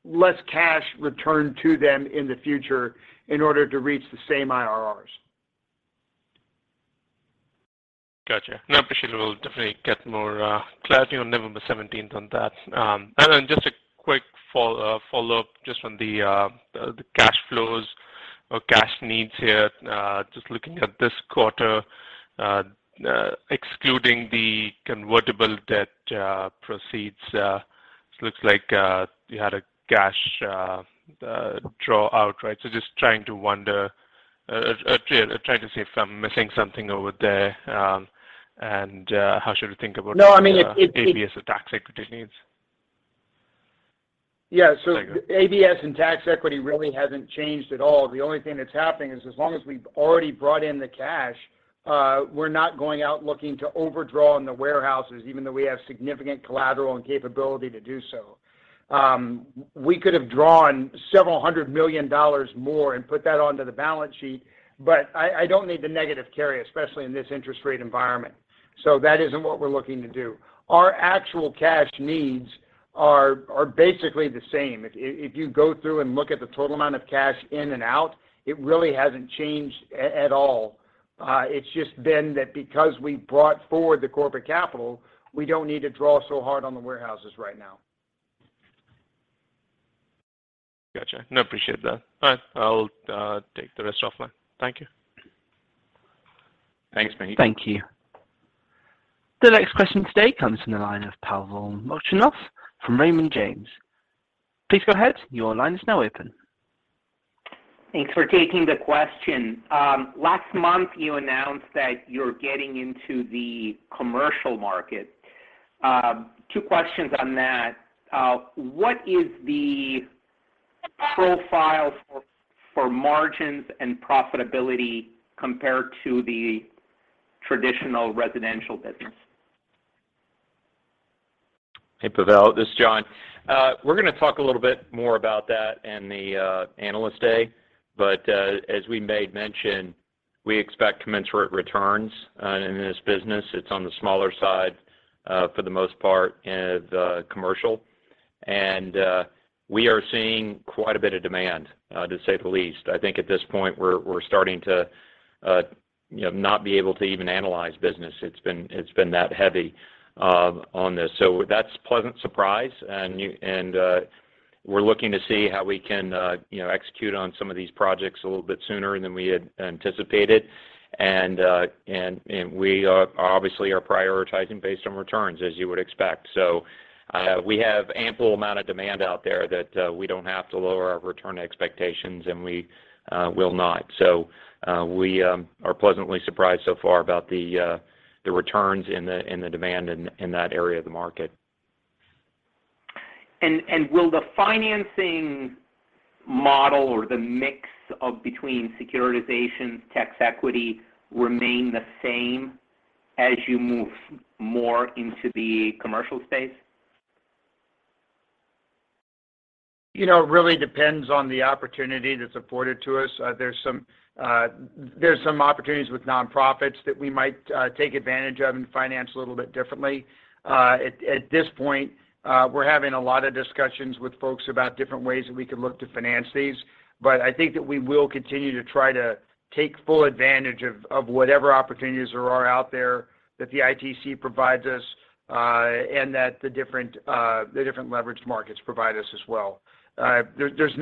less cash returned to them in the future in order to reach the same IRRs? Gotcha. No, appreciate it. We'll definitely get more clarity on November seventeenth on that. Then just a quick follow-up just on the cash flows or cash needs here. Just looking at this quarter, excluding the convertible debt proceeds, it looks like you had a cash draw out, right? Just trying to see if I'm missing something over there and how should we think about. No, I mean, it. The ABS and tax equity needs. Yeah. Sorry, go ahead. ABS and tax equity really hasn't changed at all. The only thing that's happening is, as long as we've already brought in the cash, we're not going out looking to overdraw on the warehouses, even though we have significant collateral and capability to do so. We could have drawn several hundred million dollars more and put that onto the balance sheet, but I don't need the negative carry, especially in this interest rate environment. That isn't what we're looking to do. Our actual cash needs are basically the same. If you go through and look at the total amount of cash in and out, it really hasn't changed at all. It's just been that because we brought forward the corporate capital, we don't need to draw so hard on the warehouses right now. Gotcha. No, appreciate that. All right. I'll take the rest offline. Thank you. Thanks, Maheep. Thank you. The next question today comes from the line of Pavel Molchanov from Raymond James. Please go ahead. Your line is now open. Thanks for taking the question. Last month you announced that you're getting into the commercial market. Two questions on that. What is the profile for margins and profitability compared to the traditional residential business? Hey Pavel, this is John. We're gonna talk a little bit more about that in the Analyst Day. As we made mention, we expect commensurate returns in this business. It's on the smaller side for the most part in the commercial. We are seeing quite a bit of demand to say the least. I think at this point, we're starting to, you know, not be able to even analyze business. It's been that heavy on this. That's pleasant surprise and we're looking to see how we can, you know, execute on some of these projects a little bit sooner than we had anticipated. We are obviously prioritizing based on returns as you would expect. We have ample amount of demand out there that we don't have to lower our return expectations, and we will not. We are pleasantly surprised so far about the returns and the demand in that area of the market. Will the financing model or the mix between securitizations and tax equity remain the same as you move more into the commercial space? You know, it really depends on the opportunity that's afforded to us. There's some opportunities with nonprofits that we might take advantage of and finance a little bit differently. At this point, we're having a lot of discussions with folks about different ways that we could look to finance these. I think that we will continue to try to take full advantage of whatever opportunities there are out there that the ITC provides us, and that the different leveraged markets provide us as well. There's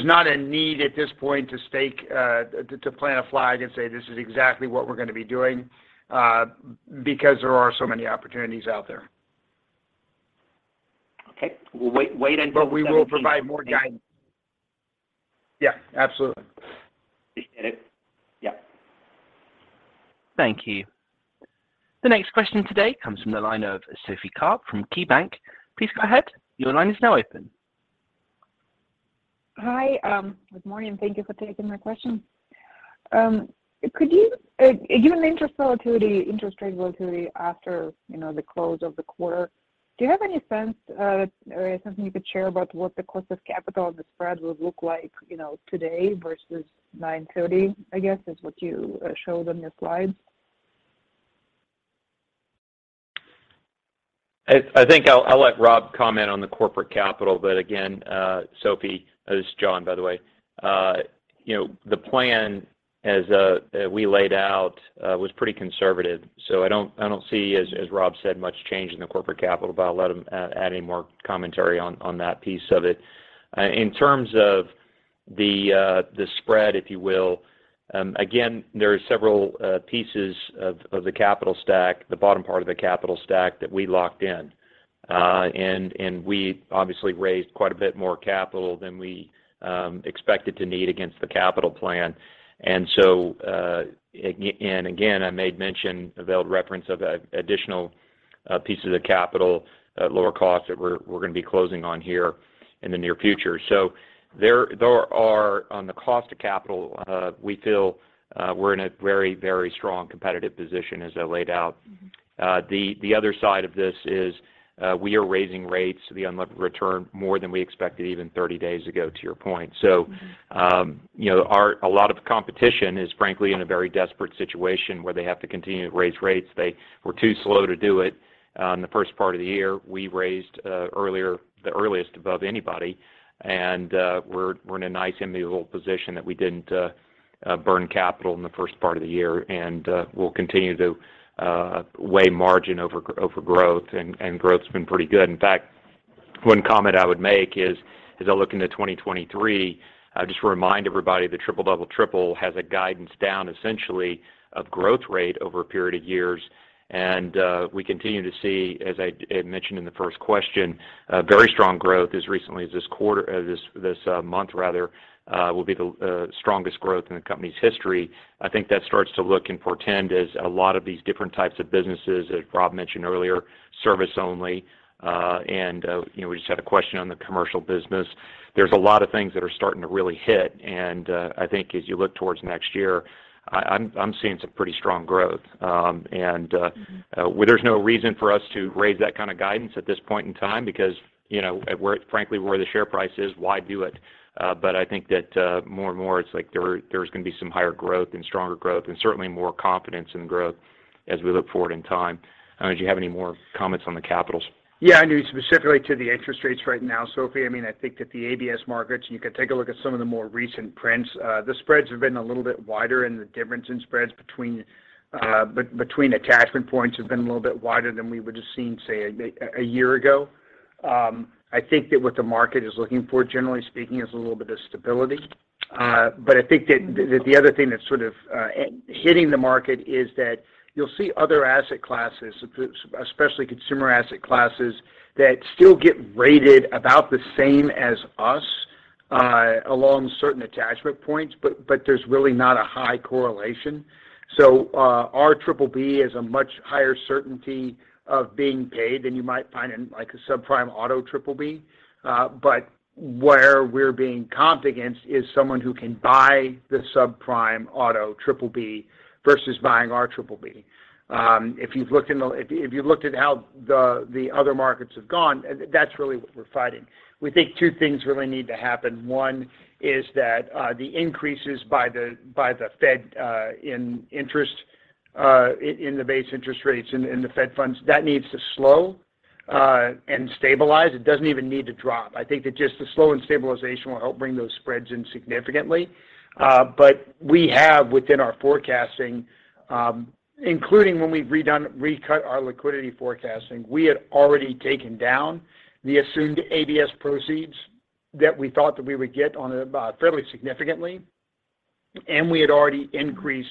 not a need at this point to plant a flag and say, "This is exactly what we're gonna be doing," because there are so many opportunities out there. Okay. We'll wait until. We will provide more guidance. Yeah, absolutely. Appreciate it. Yeah. Thank you. The next question today comes from the line of Sophie Karp from KeyBanc. Please go ahead. Your line is now open. Hi. Good morning, and thank you for taking my question. Could you, given the interest volatility, interest rate volatility after, you know, the close of the quarter, do you have any sense, or something you could share about what the cost of capital and the spread would look like, you know, today versus 9/30, I guess, is what you showed on your slides? I think I'll let Rob comment on the corporate capital, but again, Sophie, this is John, by the way. You know, the plan as we laid out was pretty conservative, so I don't see, as Rob said, much change in the corporate capital, but I'll let him add any more commentary on that piece of it. In terms of the spread, if you will, again, there are several pieces of the capital stack, the bottom part of the capital stack that we locked in. We obviously raised quite a bit more capital than we expected to need against the capital plan. Again, I made mention of additional pieces of capital at lower cost that we're gonna be closing on here in the near future. On the cost of capital, we feel we're in a very strong competitive position as I laid out. The other side of this is we are raising rates, the unlevered return, more than we expected even 30 days ago, to your point. You know, a lot of competition is frankly in a very desperate situation where they have to continue to raise rates. They were too slow to do it the first part of the year. We raised earlier, the earliest ahead of anybody. We're in a nice enviable position that we didn't burn capital in the first part of the year. We'll continue to weigh margin over growth and growth's been pretty good. In fact, one comment I would make is, as I look into 2023, just to remind everybody, the Triple Double Triple has a guidance down essentially of growth rate over a period of years. We continue to see, as I mentioned in the first question, a very strong growth as recently as this quarter or this month rather, will be the strongest growth in the company's history. I think that starts to look and portend as a lot of these different types of businesses, as Rob mentioned earlier, service only. You know, we just had a question on the commercial business. There's a lot of things that are starting to really hit. I think as you look towards next year, I'm seeing some pretty strong growth. There's no reason for us to raise that kind of guidance at this point in time because, you know, frankly, where the share price is, why do it? I think that more and more it's like there's gonna be some higher growth and stronger growth and certainly more confidence in growth as we look forward in time. I don't know, do you have any more comments on the capitals? Yeah, I mean, specifically to the interest rates right now, Sophie, I mean, I think that the ABS markets, you can take a look at some of the more recent prints. The spreads have been a little bit wider and the difference in spreads between attachment points have been a little bit wider than we would have seen, say, a year ago. I think that what the market is looking for, generally speaking, is a little bit of stability. I think that the other thing that's sort of hitting the market is that you'll see other asset classes, especially consumer asset classes, that still get rated about the same as us along certain attachment points, but there's really not a high correlation. Our triple B is a much higher certainty of being paid than you might find in like a subprime auto triple B. But where we're being compared against is someone who can buy the subprime auto triple B versus buying our triple B. If you looked at how the other markets have gone, and that's really what we're fighting. We think two things really need to happen. One is that the increases by the Fed in the base interest rates and the Fed funds needs to slow and stabilize. It doesn't even need to drop. I think that just the slow and stabilization will help bring those spreads in significantly. We have within our forecasting, including when we've recut our liquidity forecasting, we had already taken down the assumed ABS proceeds that we thought that we would get on it, fairly significantly, and we had already increased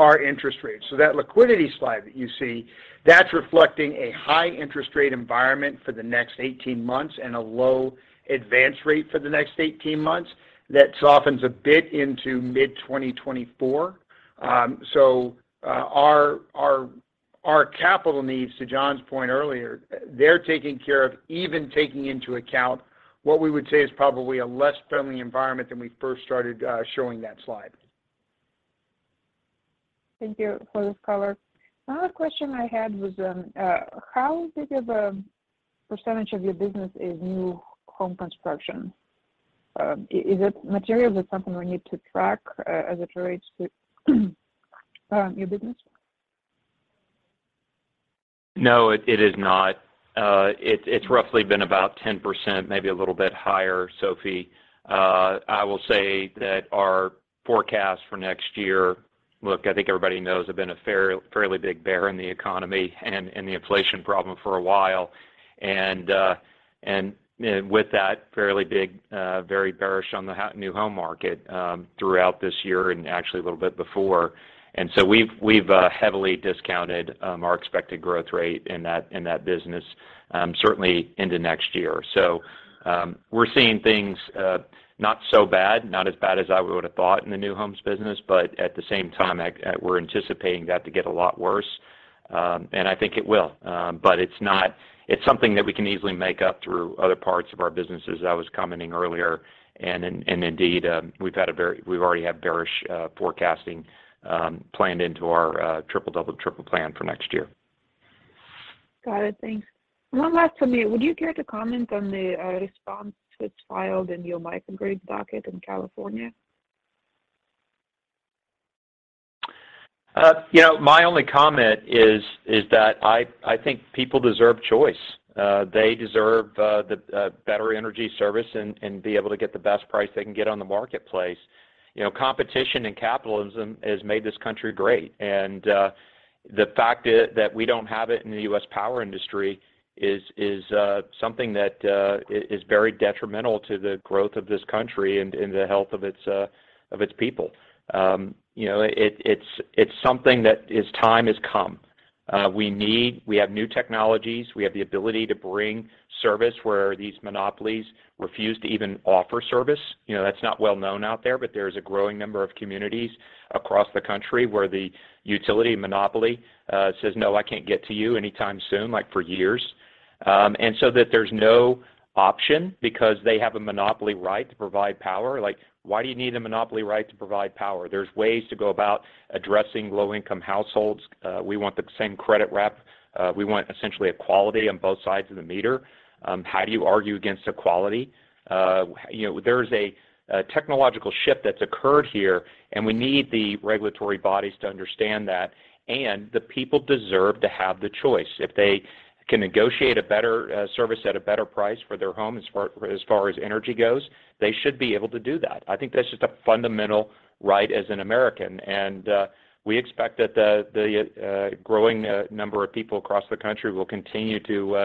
our interest rates. That liquidity slide that you see, that's reflecting a high interest rate environment for the next 18 months and a low advance rate for the next 18 months that softens a bit into mid-2024. Our capital needs, to John's point earlier, they're taking care of even taking into account what we would say is probably a less friendly environment than we first started showing that slide. Thank you for this color. Another question I had was, how big of a percentage of your business is new home construction? Is it material? Is it something we need to track as it relates to, your business? No, it is not. It's roughly been about 10%, maybe a little bit higher, Sophie. I will say that our forecast for next year. Look, I think everybody knows I've been a fairly big bear in the economy and the inflation problem for a while, and with that fairly big, very bearish on the new home market, throughout this year and actually a little bit before. We've heavily discounted our expected growth rate in that business, certainly into next year. We're seeing things not so bad, not as bad as I would have thought in the new homes business, but at the same time, we're anticipating that to get a lot worse, and I think it will. It's something that we can easily make up through other parts of our business as I was commenting earlier. Indeed, we've already had bearish forecasting planned into our Triple-Double-Triple Plan for next year. Got it. Thanks. One last for me. Would you care to comment on the response that's filed in your microgrid docket in California? You know, my only comment is that I think people deserve choice. They deserve the better energy service and be able to get the best price they can get on the marketplace. You know, competition and capitalism has made this country great. The fact that we don't have it in the US power industry is something that is very detrimental to the growth of this country and the health of its people. You know, it's something that it's time has come. We have new technologies. We have the ability to bring service where these monopolies refuse to even offer service. You know, that's not well known out there, but there is a growing number of communities across the country where the utility monopoly says, "No, I can't get to you anytime soon," like for years. That there's no option because they have a monopoly right to provide power. Like, why do you need a monopoly right to provide power? There's ways to go about addressing low-income households. We want the same credit rep. We want essentially equality on both sides of the meter. How do you argue against equality? You know, there is a technological shift that's occurred here, and we need the regulatory bodies to understand that. The people deserve to have the choice. If they can negotiate a better service at a better price for their home as far as energy goes, they should be able to do that. I think that's just a fundamental right as an American. We expect that the growing number of people across the country will continue to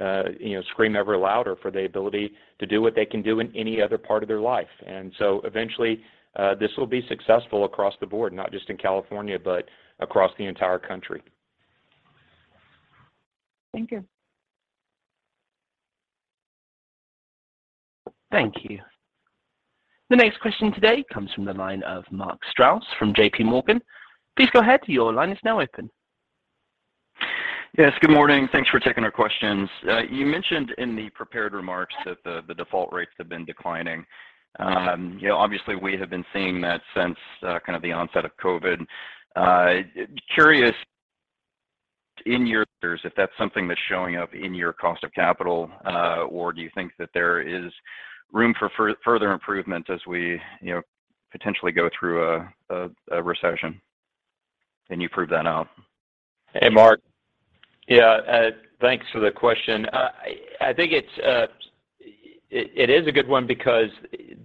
you know, scream ever louder for the ability to do what they can do in any other part of their life. Eventually this will be successful across the board, not just in California, but across the entire country. Thank you. Thank you. The next question today comes from the line of Mark Strouse from JPMorgan. Please go ahead. Your line is now open. Yes. Good morning. Thanks for taking our questions. You mentioned in the prepared remarks that the default rates have been declining. You know, obviously we have been seeing that since kind of the onset of COVID. Curious in your views if that's something that's showing up in your cost of capital, or do you think that there is room for further improvement as we, you know, potentially go through a recession? Can you prove that out? Hey, Mark. Yeah, thanks for the question. I think it is a good one because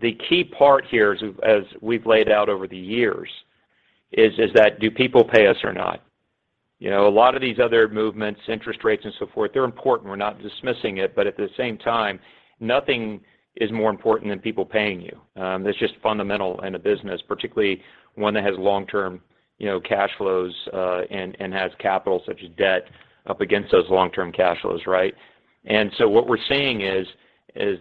the key part here as we've laid out over the years is that do people pay us or not? You know, a lot of these other movements, interest rates and so forth, they're important. We're not dismissing it, but at the same time, nothing is more important than people paying you. That's just fundamental in a business, particularly one that has long-term cash flows and has capital such as debt up against those long-term cash flows, right? What we're seeing is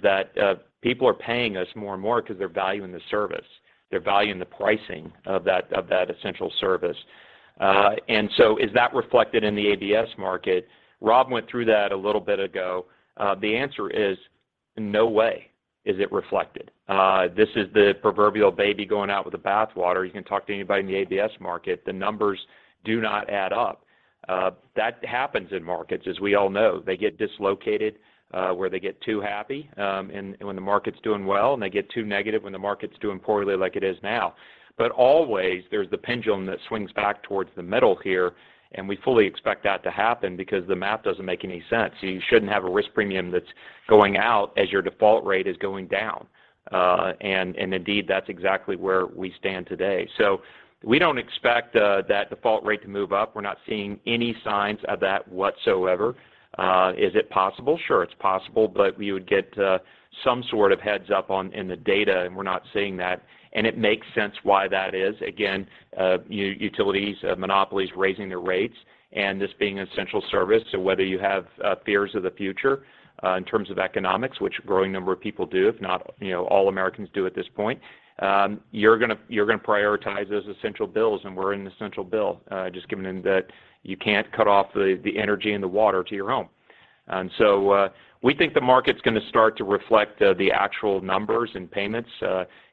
that people are paying us more and more because they're valuing the service. They're valuing the pricing of that essential service. Is that reflected in the ABS market? Rob went through that a little bit ago. The answer is no way is it reflected. This is the proverbial baby going out with the bathwater. You can talk to anybody in the ABS market. The numbers do not add up. That happens in markets, as we all know. They get dislocated, where they get too happy, and when the market's doing well, and they get too negative when the market's doing poorly like it is now. Always, there's the pendulum that swings back towards the middle here, and we fully expect that to happen because the math doesn't make any sense. You shouldn't have a risk premium that's going out as your default rate is going down. Indeed, that's exactly where we stand today. We don't expect that default rate to move up. We're not seeing any signs of that whatsoever. Is it possible? Sure, it's possible, but we would get some sort of heads up in the data, and we're not seeing that. It makes sense why that is. Again, utilities, monopolies raising their rates, and this being an essential service. Whether you have fears of the future in terms of economics, which a growing number of people do, if not, you know, all Americans do at this point, you're gonna prioritize those essential bills, and we're an essential bill, just given that you can't cut off the energy and the water to your home. We think the market's gonna start to reflect the actual numbers and payments.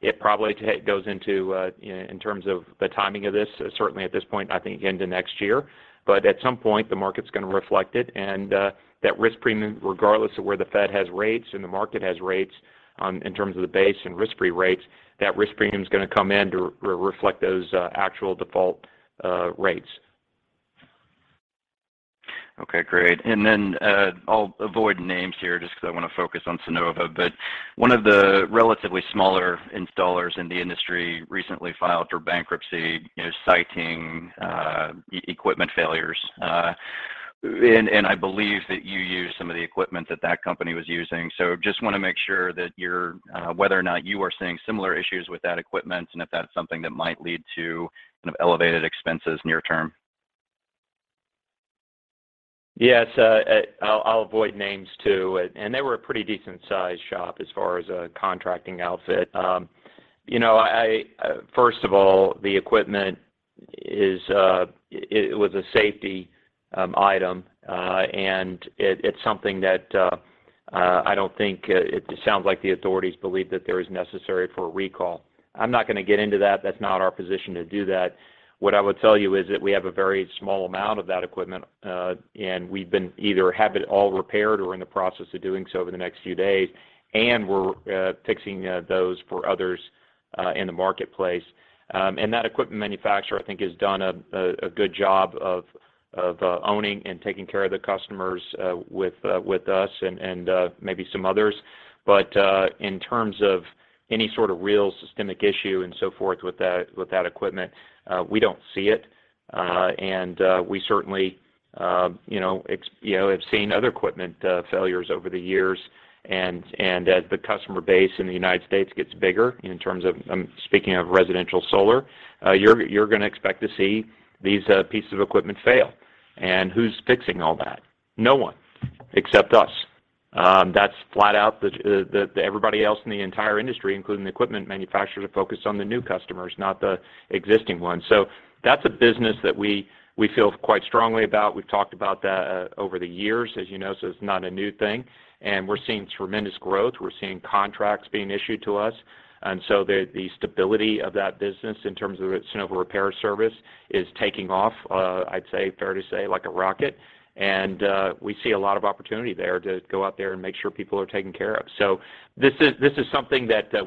It probably goes into, you know, in terms of the timing of this, certainly at this point, I think into next year. At some point, the market's gonna reflect it, and that risk premium, regardless of where the Fed has rates and the market has rates, in terms of the base and risk-free rates, that risk premium is gonna come in to reflect those actual default rates. Okay, great. I'll avoid names here just because I want to focus on Sunnova. One of the relatively smaller installers in the industry recently filed for bankruptcy, you know, citing equipment failures. I believe that you use some of the equipment that that company was using. Just want to make sure that you're whether or not you are seeing similar issues with that equipment and if that's something that might lead to kind of elevated expenses near term. Yes. I'll avoid names too. They were a pretty decent size shop as far as a contracting outfit. You know, first of all, the equipment was a safety item, and it's something that I don't think it sounds like the authorities believe that it's necessary for a recall. I'm not gonna get into that. That's not our position to do that. What I would tell you is that we have a very small amount of that equipment, and we've either had it all repaired or in the process of doing so over the next few days. We're fixing those for others in the marketplace. That equipment manufacturer I think has done a good job of owning and taking care of the customers with us and maybe some others. In terms of any sort of real systemic issue and so forth with that equipment, we don't see it. We certainly you know have seen other equipment failures over the years. As the customer base in the United States gets bigger in terms of speaking of residential solar, you're gonna expect to see these pieces of equipment fail. Who's fixing all that? No one, except us. That's flat out, everybody else in the entire industry, including the equipment manufacturers, are focused on the new customers, not the existing ones. That's a business that we feel quite strongly about. We've talked about that over the years, as you know, so it's not a new thing. We're seeing tremendous growth. We're seeing contracts being issued to us. The stability of that business in terms of its Sunnova Repair Service is taking off, I'd say, fair to say, like a rocket. We see a lot of opportunity there to go out there and make sure people are taken care of. This is something that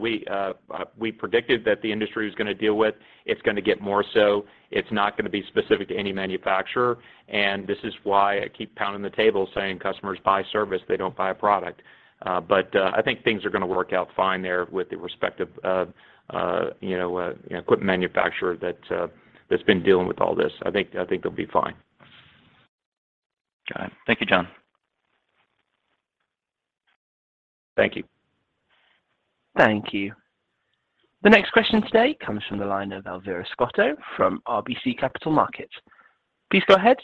we predicted that the industry was gonna deal with. It's gonna get more so. It's not gonna be specific to any manufacturer. This is why I keep pounding the table saying customers buy service, they don't buy a product. I think things are gonna work out fine there with the respective, you know, equipment manufacturer that's been dealing with all this. I think they'll be fine. Got it. Thank you, John. Thank you. Thank you. The next question today comes from the line of Elvira Scotto from RBC Capital Markets. Please go ahead.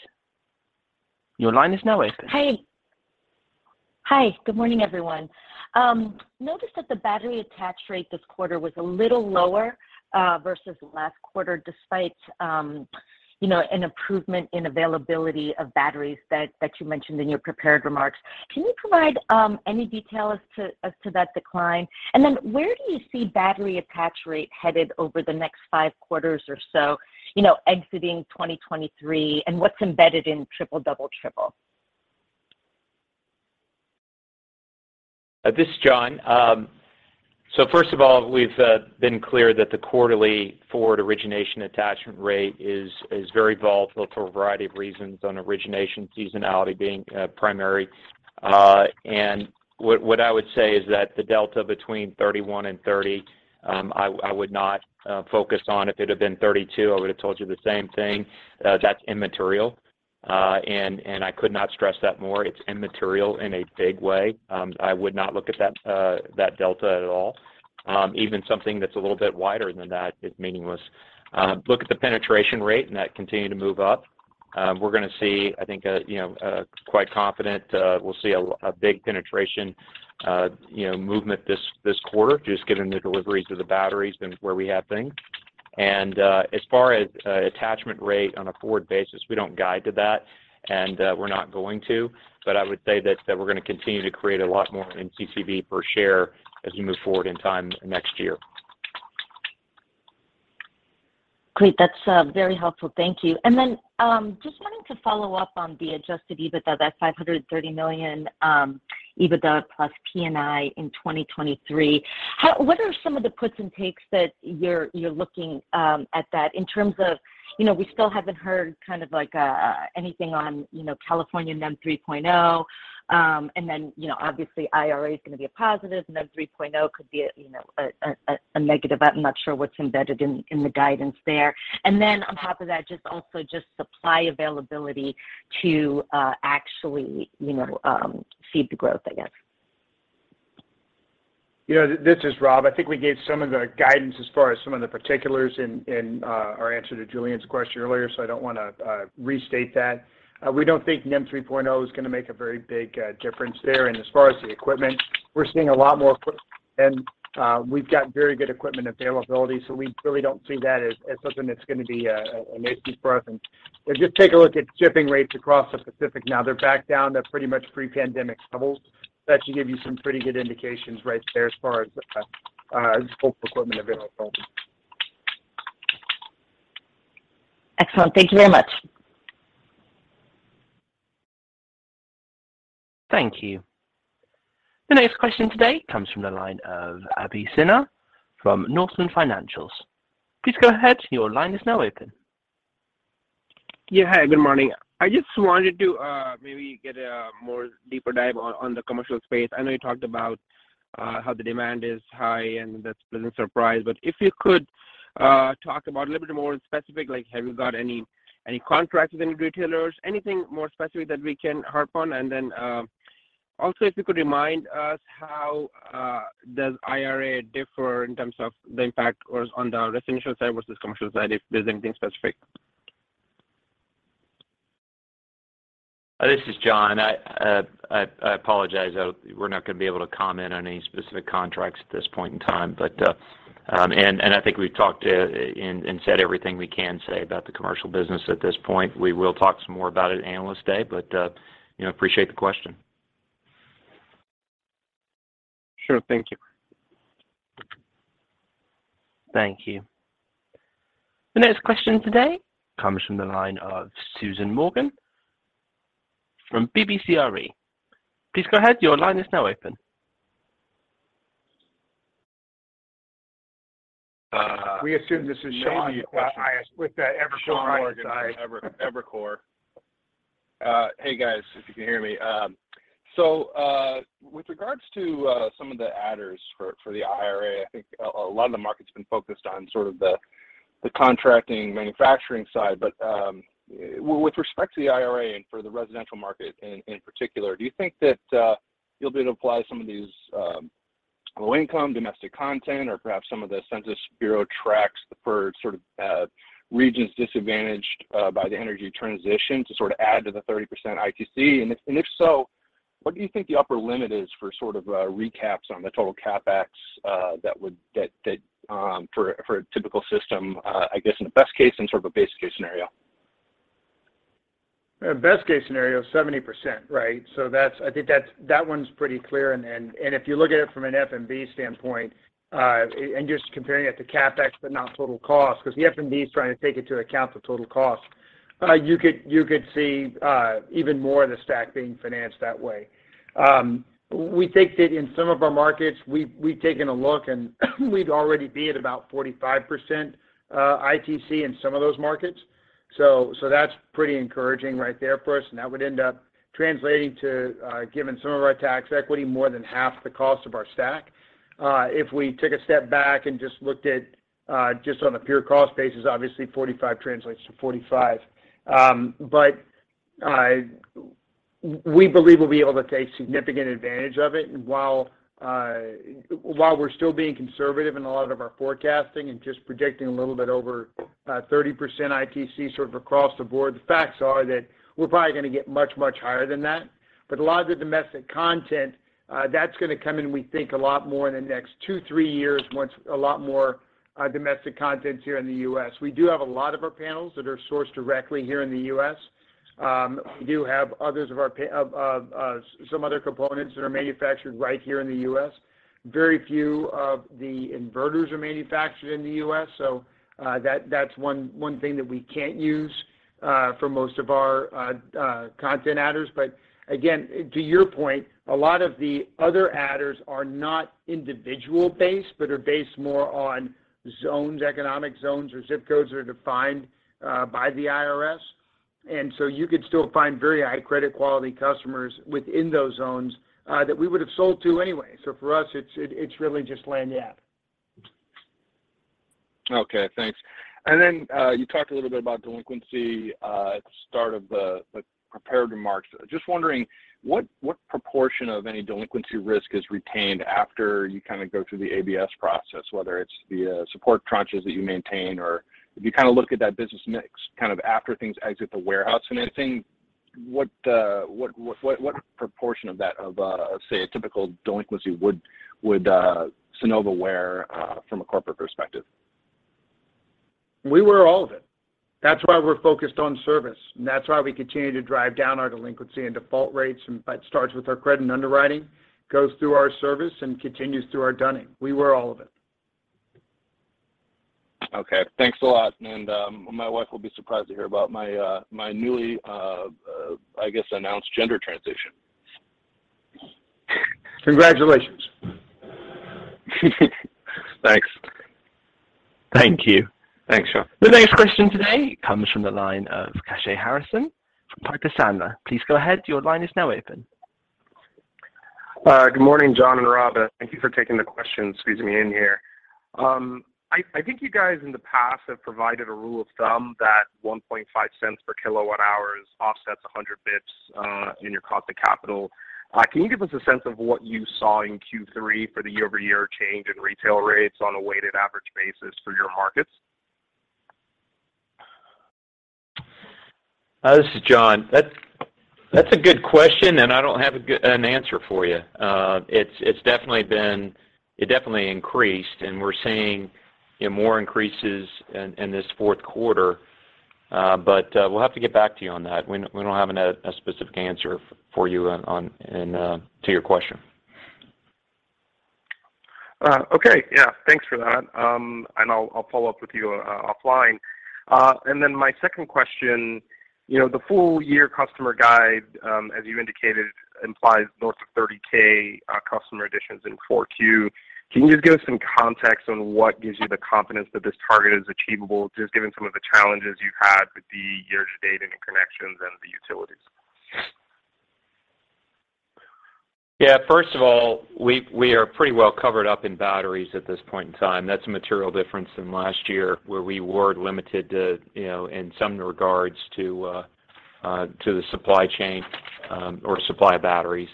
Your line is now open. Hey. Hi, good morning, everyone. Noticed that the battery attach rate this quarter was a little lower versus last quarter, despite you know, an improvement in availability of batteries that you mentioned in your prepared remarks. Can you provide any detail as to that decline? Where do you see battery attach rate headed over the next five quarters or so, you know, exiting 2023? What's embedded in triple double triple? This is John. First of all, we've been clear that the quarterly forward origination attachment rate is very volatile for a variety of reasons on origination, seasonality being primary. What I would say is that the delta between 31 and 30, I would not focus on. If it had been 32, I would have told you the same thing. That's immaterial. I could not stress that more. It's immaterial in a big way. I would not look at that delta at all. Even something that's a little bit wider than that is meaningless. Look at the penetration rate, and that continued to move up. We're gonna see, I think, you know, quite confident we'll see a big penetration, you know, movement this quarter, just given the deliveries of the batteries and where we have things. As far as attachment rate on a forward basis, we don't guide to that, and we're not going to. I would say that we're gonna continue to create a lot more in NCCV per share as we move forward in time next year. Great. That's very helpful. Thank you. Just wanting to follow up on the Adjusted EBITDA, that $530 million EBITDA plus P&I in 2023. What are some of the puts and takes that you're looking at that in terms of, you know, we still haven't heard kind of like anything on, you know, California NEM 3.0, and then, you know, obviously IRA is gonna be a positive, NEM 3.0 could be a negative. I'm not sure what's embedded in the guidance there. On top of that, just also just supply availability to actually feed the growth, I guess. You know, this is Rob. I think we gave some of the guidance as far as some of the particulars in our answer to Julien's question earlier, so I don't wanna restate that. We don't think NEM 3.0 is gonna make a very big difference there. As far as the equipment, we've got very good equipment availability, so we really don't see that as something that's gonna be an issue for us. Just take a look at shipping rates across the Pacific now. They're back down. That's pretty much pre-pandemic levels. That should give you some pretty good indications right there as far as just overall equipment availability. Excellent. Thank you very much. Thank you. The next question today comes from the line of Abhishek Sinha from Northland Capital Markets. Please go ahead. Your line is now open. Yeah. Hi, good morning. I just wanted to maybe get a more deeper dive on the commercial space. I know you talked about how the demand is high, and that's been a surprise. If you could talk about a little bit more specific, like have you got any contracts with any retailers? Anything more specific that we can harp on. Also if you could remind us how does IRA differ in terms of the impact or on the residential side versus commercial side, if there's anything specific. This is John. I apologize, we're not gonna be able to comment on any specific contracts at this point in time. I think we've talked and said everything we can say about the commercial business at this point. We will talk some more about it at Analyst Day, you know, appreciate the question. Sure. Thank you. Thank you. The next question today comes from the line of Sean Morgan from Evercore. Please go ahead. Your line is now open. We assume this is Sean with Evercore, right? Sorry Sean Morgan from Evercore. Hey, guys, if you can hear me. With regards to some of the adders for the IRA, I think a lot of the market's been focused on sort of the contracting manufacturing side. With respect to the IRA and for the residential market in particular, do you think that you'll be able to apply some of these low-income domestic content or perhaps some of the Census Bureau tracts for sort of regions disadvantaged by the energy transition to sort of add to the 30% ITC? And if so, what do you think the upper limit is for sort of recaps on the total CapEx that would. that for a typical system, I guess in a best case and sort of a base case scenario? Best case scenario, 70%, right? That's. I think that's. That one's pretty clear. If you look at it from an FMV standpoint, and just comparing it to CapEx, but not total cost, 'cause the FMV is trying to take into account the total cost, you could see even more of the stack being financed that way. We think that in some of our markets, we've taken a look, and we'd already be at about 45% ITC in some of those markets. That's pretty encouraging right there for us, and that would end up translating to, given some of our tax equity, more than half the cost of our stack. If we took a step back and just looked at just on a pure cost basis, obviously 45 translates to 45. We believe we'll be able to take significant advantage of it. While we're still being conservative in a lot of our forecasting and just predicting a little bit over 30% ITC sort of across the board, the facts are that we're probably gonna get much, much higher than that. A lot of the domestic content that's gonna come in, we think, a lot more in the next two, three years once a lot more domestic content's here in the U.S. We do have a lot of our panels that are sourced directly here in the U.S. We do have some other components that are manufactured right here in the U.S. Very few of the inverters are manufactured in the U.S., that's one thing that we can't use for most of our content adders. Again, to your point, a lot of the other adders are not individually based but are based more on zones, economic zones or zip codes that are defined by the IRS. You could still find very high credit quality customers within those zones that we would have sold to anyway. For us, it's really just an add. Okay, thanks. You talked a little bit about delinquency at the start of the prepared remarks. Just wondering what proportion of any delinquency risk is retained after you kind of go through the ABS process, whether it's the support tranches that you maintain, or if you kind of look at that business mix kind of after things exit the warehouse and anything, what proportion of that, say, a typical delinquency would Sunnova wear from a corporate perspective? We wear all of it. That's why we're focused on service, and that's why we continue to drive down our delinquency and default rates. That starts with our credit and underwriting, goes through our service, and continues through our dunning. We wear all of it. Okay. Thanks a lot. My wife will be surprised to hear about my newly I guess announced gender transition. Congratulations. Thanks. Thank you. Thanks, y'all. The next question today comes from the line of Kashy Harrison from Piper Sandler. Please go ahead. Your line is now open. Good morning, John and Rob. Thank you for taking the questions, squeezing me in here. I think you guys in the past have provided a rule of thumb that 1.5 cents per kilowatt hours offsets 100 BPS in your cost of capital. Can you give us a sense of what you saw in Q3 for the year-over-year change in retail rates on a weighted average basis for your markets? This is John. That's a good question, and I don't have an answer for you. It's definitely been. It definitely increased, and we're seeing, you know, more increases in this fourth quarter. We'll have to get back to you on that. We don't have a specific answer for you on and to your question. Okay. Yeah. Thanks for that. I'll follow up with you offline. My second question, you know, the full year customer guide, as you indicated, implies north of 30K customer additions in 4Q. Can you just give us some context on what gives you the confidence that this target is achievable, just given some of the challenges you've had with the year-to-date and the connections and the utilities? Yeah. First of all, we are pretty well covered up in batteries at this point in time. That's a material difference than last year, where we were limited to, you know, in some regards to the supply chain or supply batteries.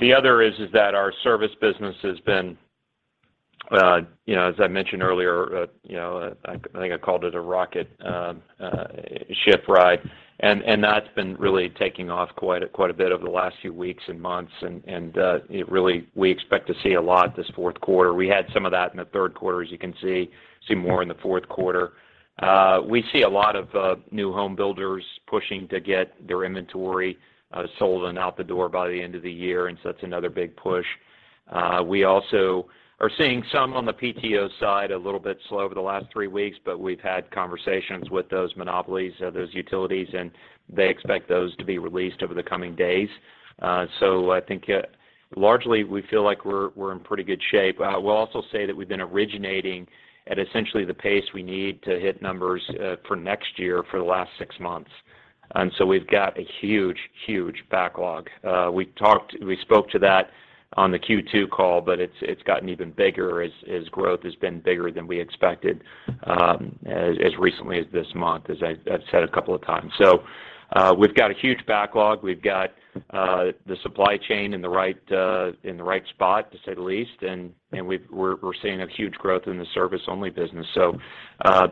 The other is that our service business has been, you know, as I mentioned earlier, you know, I think I called it a rocket ship ride. That's been really taking off quite a bit over the last few weeks and months and it really, we expect to see a lot this fourth quarter. We had some of that in the third quarter, as you can see more in the fourth quarter. We see a lot of new home builders pushing to get their inventory sold and out the door by the end of the year, and so that's another big push. We also are seeing some on the PTO side a little bit slow over the last three weeks, but we've had conversations with those monopolies, those utilities, and they expect those to be released over the coming days. I think largely we feel like we're in pretty good shape. We'll also say that we've been originating at essentially the pace we need to hit numbers for next year for the last six months. We've got a huge backlog. We spoke to that on the Q2 call, but it's gotten even bigger as growth has been bigger than we expected, as recently as this month, as I've said a couple of times. We've got a huge backlog. We've got the supply chain in the right spot to say the least. We're seeing a huge growth in the service only business.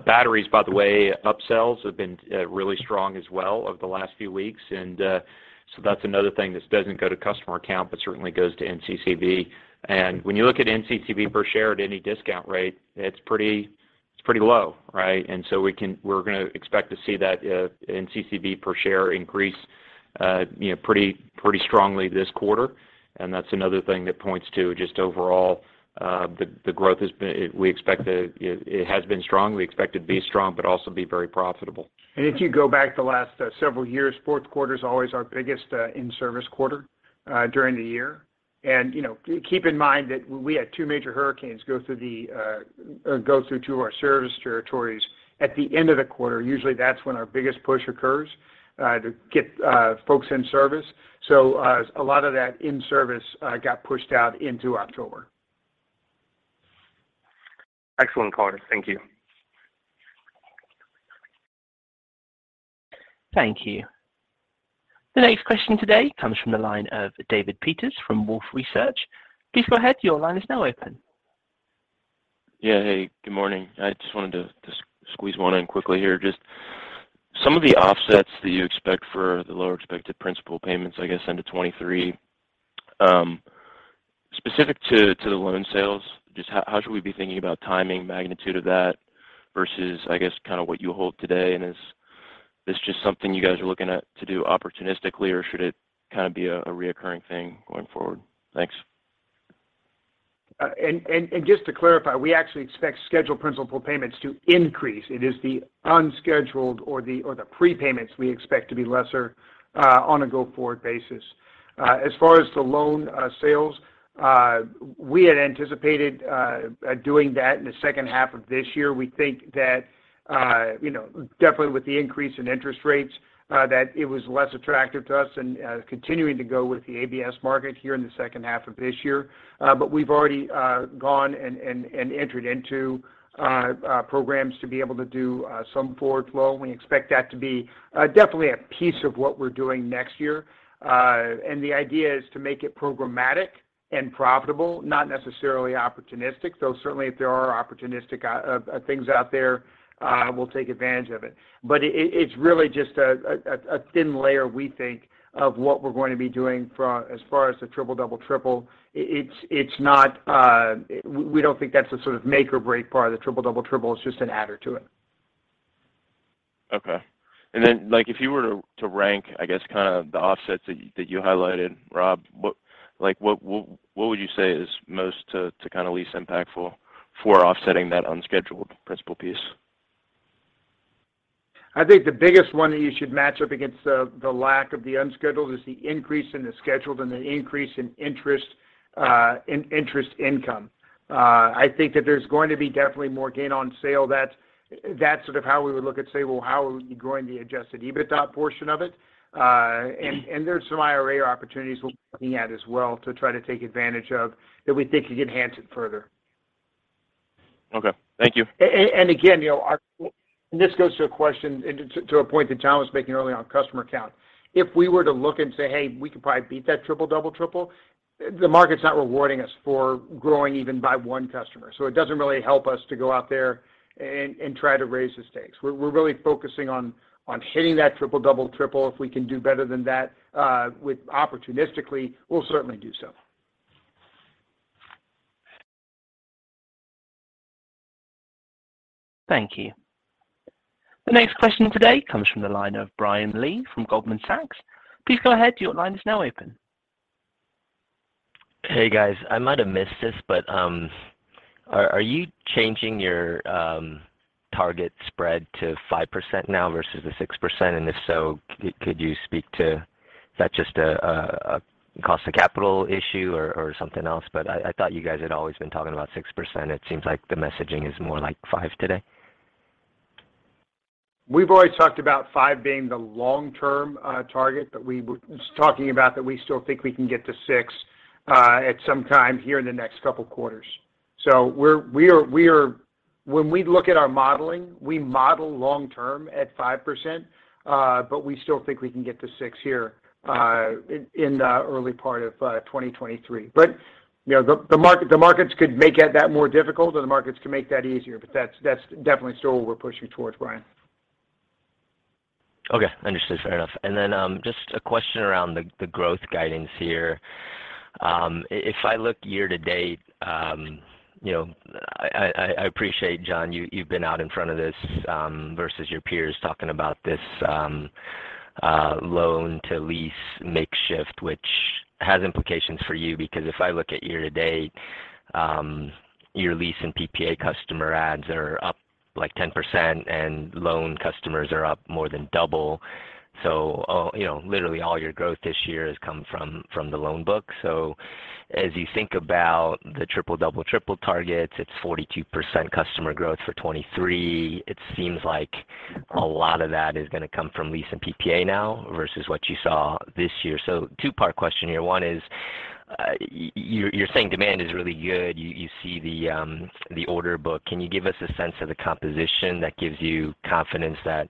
Batteries, by the way, upsells have been really strong as well over the last few weeks. That's another thing this doesn't go to customer count, but certainly goes to NCCV. When you look at NCCV per share at any discount rate, it's pretty low, right? We're gonna expect to see that NCCV per share increase you know pretty strongly this quarter. That's another thing that points to just overall the growth has been strong. We expect it to be strong, but also be very profitable. If you go back the last several years, fourth quarter is always our biggest in-service quarter during the year. You know, keep in mind that we had 2 major hurricanes go through two of our service territories at the end of the quarter. Usually that's when our biggest push occurs to get folks in service. A lot of that in-service got pushed out into October. Excellent color. Thank you. Thank you. The next question today comes from the line of David Peters from Wolfe Research. Please go ahead. Your line is now open. Yeah. Hey, good morning. I just wanted to just squeeze one in quickly here. Just some of the offsets that you expect for the lower expected principal payments, I guess, into 2023, specific to the loan sales, just how should we be thinking about timing magnitude of that versus, I guess, kind of what you hold today? Is this just something you guys are looking at to do opportunistically, or should it kind of be a recurring thing going forward? Thanks. Just to clarify, we actually expect scheduled principal payments to increase. It is the unscheduled or the prepayments we expect to be lesser on a go-forward basis. As far as the loan sales, we had anticipated doing that in the second half of this year. We think that, you know, definitely with the increase in interest rates, that it was less attractive to us and continuing to go with the ABS market here in the second half of this year. We've already gone and entered into programs to be able to do some forward flow. We expect that to be definitely a piece of what we're doing next year. The idea is to make it programmatic and profitable, not necessarily opportunistic. Though certainly if there are opportunistic things out there, we'll take advantage of it. It's really just a thin layer, we think, of what we're going to be doing for as far as the triple, double, triple. It's not. We don't think that's the sort of make or break part of the triple, double, triple. It's just an adder to it. Okay. Like, if you were to rank, I guess, kind of the offsets that you highlighted, Rob, like, what would you say is most to kind of least impactful for offsetting that unscheduled principal piece? I think the biggest one that you should match up against the lack of the unscheduled is the increase in the scheduled and the increase in interest in interest income. I think that there's going to be definitely more gain on sale. That's sort of how we would look at, say, well, how are we growing the Adjusted EBITDA portion of it? There's some IRA opportunities we're looking at as well to try to take advantage of that we think could enhance it further. Okay. Thank you. This goes to a question and to a point that John was making earlier on customer count. If we were to look and say, "Hey, we could probably beat that triple, double, triple," the market's not rewarding us for growing even by one customer. It doesn't really help us to go out there and try to raise the stakes. We're really focusing on hitting that triple, double, triple. If we can do better than that opportunistically, we'll certainly do so. Thank you. The next question today comes from the line of Brian Lee from Goldman Sachs. Please go ahead. Your line is now open. Hey, guys. I might have missed this, but are you changing your target spread to 5% now versus the 6%? If so, could you speak to is that just a cost of capital issue or something else? I thought you guys had always been talking about 6%. It seems like the messaging is more like 5% today. We've always talked about 5% being the long-term target, but we were talking about that we still think we can get to 6% at some time here in the next couple quarters. When we look at our modeling, we model long term at 5%, but we still think we can get to 6% here in the early part of 2023. You know, the markets could make that more difficult, or the markets could make that easier. That's definitely still what we're pushing towards, Brian. Okay. Understood. Fair enough. Then, just a question around the growth guidance here. If I look year to date, you know, I appreciate, John, you've been out in front of this versus your peers talking about this loan-to-lease shift, which has implications for you. Because if I look at year to date, your lease and PPA customer adds are up, like, 10%, and loan customers are up more than double. You know, literally all your growth this year has come from the loan book. As you think about the Triple-Double-Triple targets, it's 42% customer growth for 2023. It seems like a lot of that is gonna come from lease and PPA now versus what you saw this year. Two-part question here. One is, you're saying demand is really good. You see the order book. Can you give us a sense of the composition that gives you confidence that,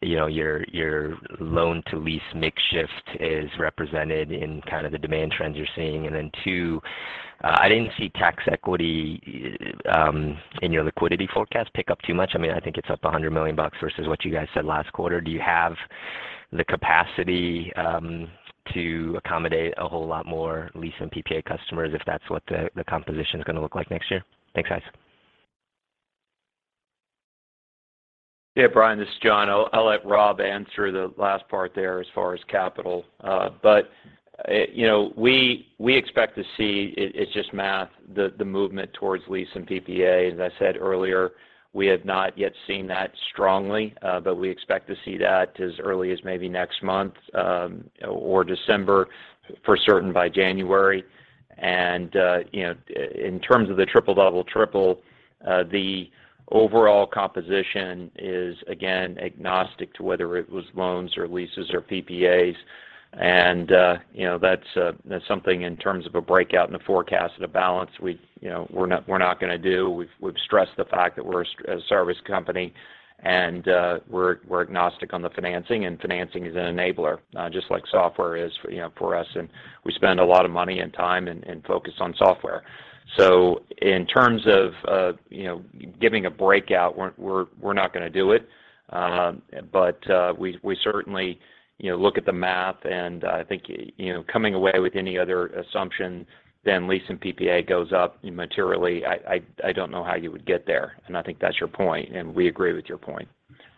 you know, your loan-to-lease mix shift is represented in kind of the demand trends you're seeing? Then two, I didn't see tax equity in your liquidity forecast pick up too much. I mean, I think it's up $100 million versus what you guys said last quarter. Do you have the capacity to accommodate a whole lot more lease and PPA customers if that's what the composition's gonna look like next year? Thanks, guys. Yeah. Brian, this is John. I'll let Rob answer the last part there as far as capital. You know, we expect to see, it's just math, the movement towards lease and PPA. As I said earlier, we have not yet seen that strongly, but we expect to see that as early as maybe next month, or December, for certain by January. You know, in terms of the triple, double, triple, the overall composition is again agnostic to whether it was loans or leases or PPAs. You know, that's something in terms of a breakout in the forecast and a balance we, you know, we're not gonna do. We've stressed the fact that we're a service company, and we're agnostic on the financing, and financing is an enabler just like software is for, you know, for us. We spend a lot of money and time and focus on software. In terms of you know, giving a breakout, we're not gonna do it. We certainly you know, look at the math, and I think you know, coming away with any other assumption than lease and PPA goes up materially, I don't know how you would get there. I think that's your point, and we agree with your point.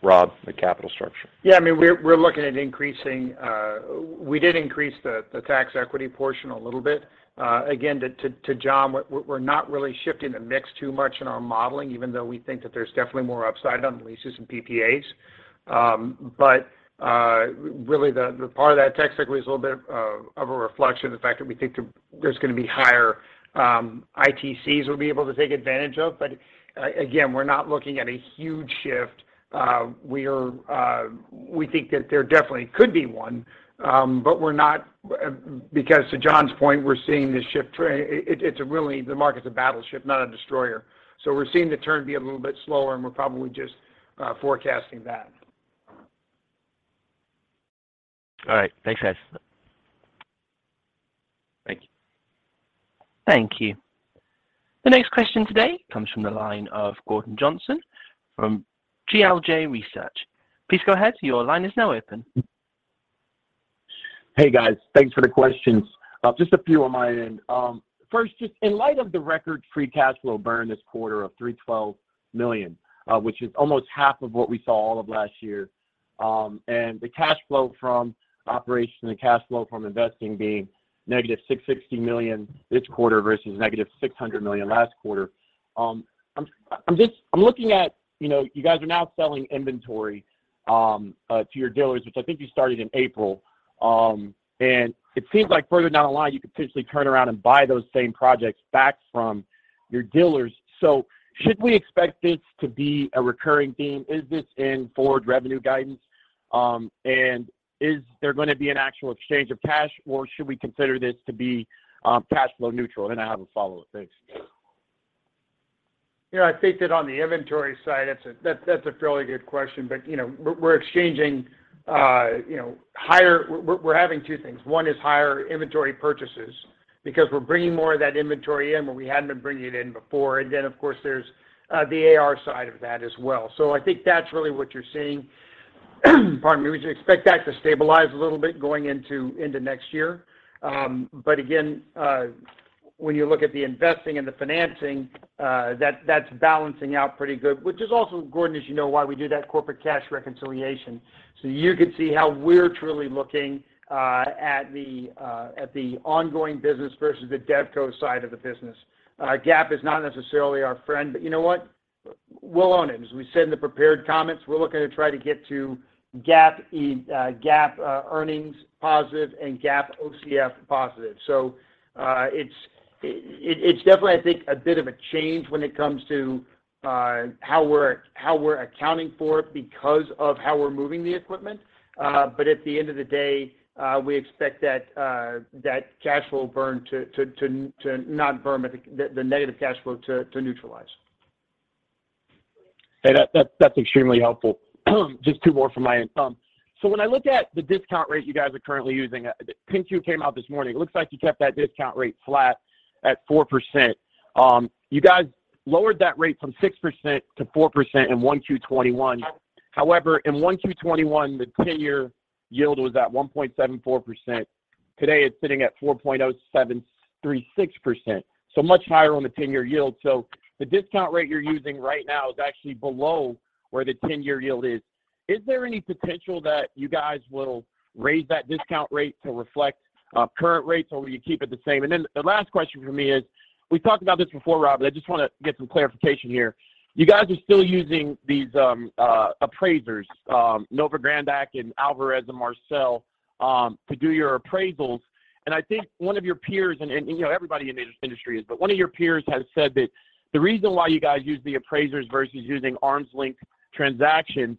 Robert, the capital structure? Yeah, I mean, we're looking at increasing, we did increase the tax equity portion a little bit. Again, to John, we're not really shifting the mix too much in our modeling, even though we think that there's definitely more upside on leases and PPAs. Really, the part of that tax equity is a little bit of a reflection of the fact that we think there's gonna be higher ITCs we'll be able to take advantage of. Again, we're not looking at a huge shift. We think that there definitely could be one, but because to John's point, we're seeing this shift. It's really. The market's a battleship, not a destroyer. We're seeing the turn be a little bit slower, and we're probably just forecasting that. All right. Thanks, guys. Thank you. Thank you. The next question today comes from the line of Gordon Johnson from GLJ Research. Please go ahead, your line is now open. Hey, guys. Thanks for the questions. Just a few on my end. First, just in light of the record free cash flow burn this quarter of $312 million, which is almost half of what we saw all of last year, and the cash flow from operations, the cash flow from investing being -$660 million this quarter versus -$600 million last quarter, I'm just looking at, you know, you guys are now selling inventory to your dealers, which I think you started in April. It seems like further down the line, you could potentially turn around and buy those same projects back from your dealers. Should we expect this to be a recurring theme? Is this in forward revenue guidance? Is there gonna be an actual exchange of cash, or should we consider this to be cash flow neutral? I have a follow-up. Thanks. You know, I think that on the inventory side, that's a fairly good question. You know, we're having two things. One is higher inventory purchases because we're bringing more of that inventory in when we hadn't been bringing it in before. Then, of course, there's the AR side of that as well. I think that's really what you're seeing. Pardon me. We should expect that to stabilize a little bit going into next year. But again, when you look at the investing and the financing, that's balancing out pretty good, which is also, Gordon, as you know, why we do that corporate cash reconciliation. You could see how we're truly looking at the ongoing business versus the DevCo side of the business. GAAP is not necessarily our friend, but you know what? We'll own it. As we said in the prepared comments, we're looking to try to get to GAAP earnings positive and GAAP OCF positive. It's definitely, I think, a bit of a change when it comes to how we're accounting for it because of how we're moving the equipment. At the end of the day, we expect that cash flow burn to not burn, the negative cash flow to neutralize. Hey, that's extremely helpful. Just two more from my end. When I look at the discount rate you guys are currently using, 10-Q came out this morning. It looks like you kept that discount rate flat at 4%. You guys lowered that rate from 6% to 4% in Q1 2021. However, in Q1 2021, the ten-year yield was at 1.74%. Today, it's sitting at 4.076%, so much higher on the ten-year yield. The discount rate you're using right now is actually below where the ten-year yield is. Is there any potential that you guys will raise that discount rate to reflect current rates, or will you keep it the same? The last question from me is, we talked about this before, Rob, but I just wanna get some clarification here. You guys are still using these appraisers, Novagradac and Alvarez & Marsal, to do your appraisals. I think one of your peers, you know, everybody in the industry is, but one of your peers has said that the reason why you guys use the appraisers versus using arm's length transactions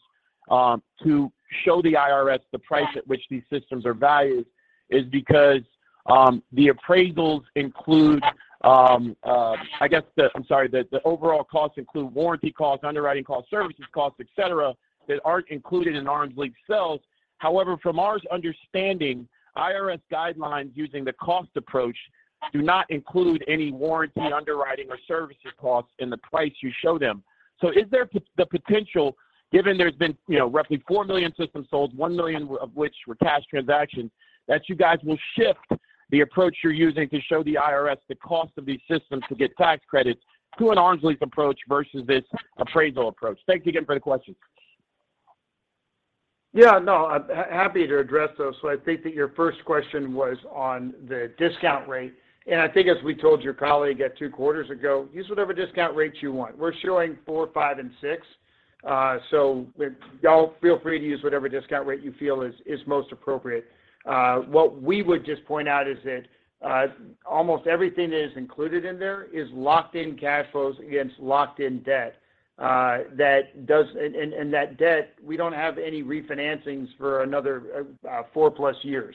to show the IRS the price at which these systems are valued is because the appraisals include, I guess, the overall costs include warranty costs, underwriting costs, services costs, etc., that aren't included in arm's length sales. However, from our understanding, IRS guidelines using the cost approach do not include any warranty, underwriting, or services costs in the price you show them. Is there the potential, given there's been, you know, roughly 4 million systems sold, 1 million of which were cash transactions, that you guys will shift the approach you're using to show the IRS the cost of these systems to get tax credits to an arm's length approach versus this appraisal approach? Thanks again for the questions. Yeah, no, I'm happy to address those. I think that your first question was on the discount rate. I think as we told your colleague 2 quarters ago, use whatever discount rates you want. We're showing four, five, and six. Y'all feel free to use whatever discount rate you feel is most appropriate. What we would just point out is that almost everything that is included in there is locked in cash flows against locked in debt, that debt we don't have any refinancings for another 4+ years.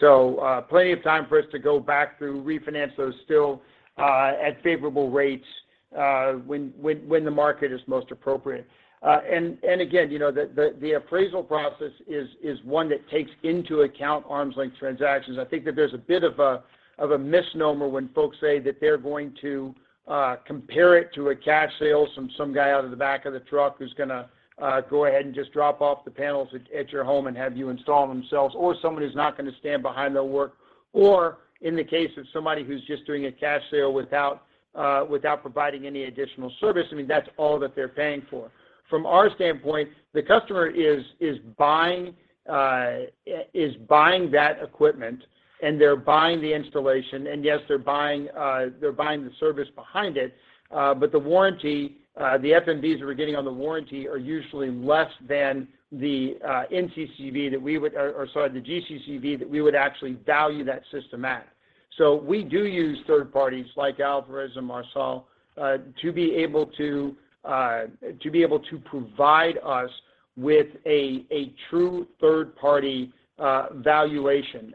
Plenty of time for us to go back through, refinance those still at favorable rates when the market is most appropriate. Again, you know, the appraisal process is one that takes into account arm's length transactions. I think that there's a bit of a misnomer when folks say that they're going to compare it to a cash sale from some guy out of the back of the truck who's gonna go ahead and just drop off the panels at your home and have you install themselves or somebody who's not gonna stand behind their work. In the case of somebody who's just doing a cash sale without providing any additional service, I mean, that's all that they're paying for. From our standpoint, the customer is buying that equipment, and they're buying the installation, and yes, they're buying the service behind it. But the warranty, the FMVs we're getting on the warranty are usually less than the GCCV that we would actually value that system at. So we do use third parties like Alvarez & Marsal to be able to provide us with a true third-party valuation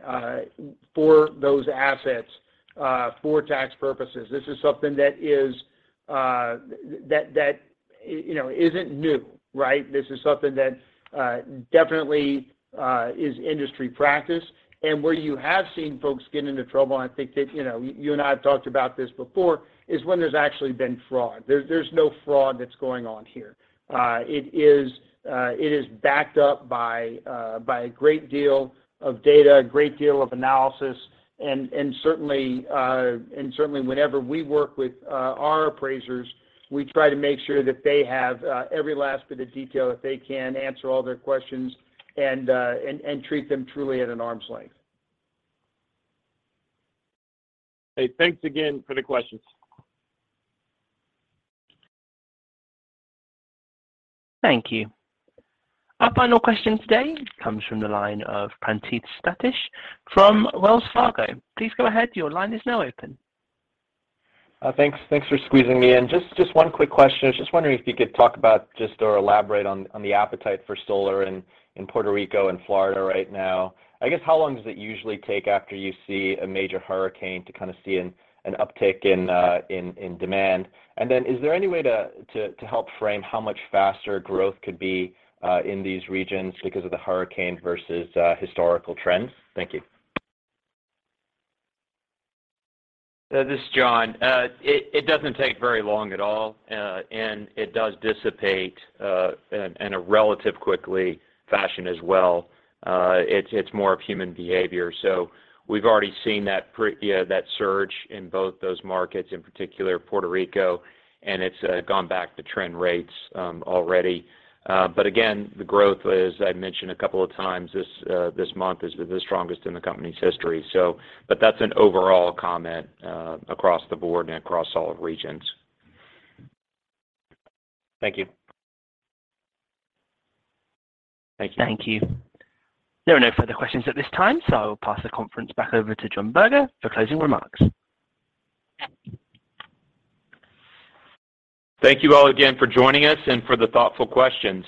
for those assets for tax purposes. This is something that you know, isn't new, right? This is something that definitely is industry practice. Where you have seen folks get into trouble, and I think that, you know, you and I have talked about this before, is when there's actually been fraud. There's no fraud that's going on here. It is backed up by a great deal of data, a great deal of analysis. Certainly whenever we work with our appraisers, we try to make sure that they have every last bit of detail that they can, answer all their questions and treat them truly at an arm's length. Hey, thanks again for the questions. Thank you. Our final question today comes from the line of Praneeth Satish from Wells Fargo. Please go ahead, your line is now open. Thanks for squeezing me in. Just one quick question. I was just wondering if you could talk about, or elaborate on, the appetite for solar in Puerto Rico and Florida right now. I guess how long does it usually take after you see a major hurricane to kind of see an uptick in demand? Is there any way to help frame how much faster growth could be in these regions because of the hurricane versus historical trends? Thank you. This is John. It doesn't take very long at all, and it does dissipate, and in a relatively quick fashion as well. It's more of a human behavior. We've already seen that surge in both those markets, in particular Puerto Rico, and it's gone back to trend rates, already. But again, the growth, as I mentioned a couple of times, this month is the strongest in the company's history. That's an overall comment, across the board and across all regions. Thank you. Thank you. There are no further questions at this time, so I will pass the conference back over to John Berger for closing remarks. Thank you all again for joining us and for the thoughtful questions.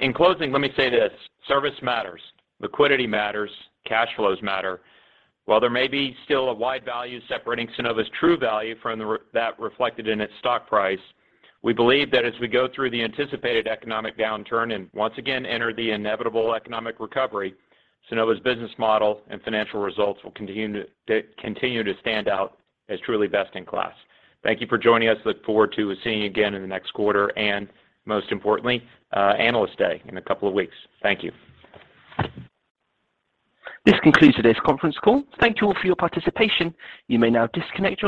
In closing, let me say this: Service matters. Liquidity matters. Cash flows matter. While there may be still a wide value separating Sunnova's true value from that reflected in its stock price, we believe that as we go through the anticipated economic downturn and once again enter the inevitable economic recovery, Sunnova's business model and financial results will continue to stand out as truly best in class. Thank you for joining us. Look forward to seeing you again in the next quarter, and most importantly, Analyst Day in a couple of weeks. Thank you. This concludes today's conference call. Thank you all for your participation. You may now disconnect your lines.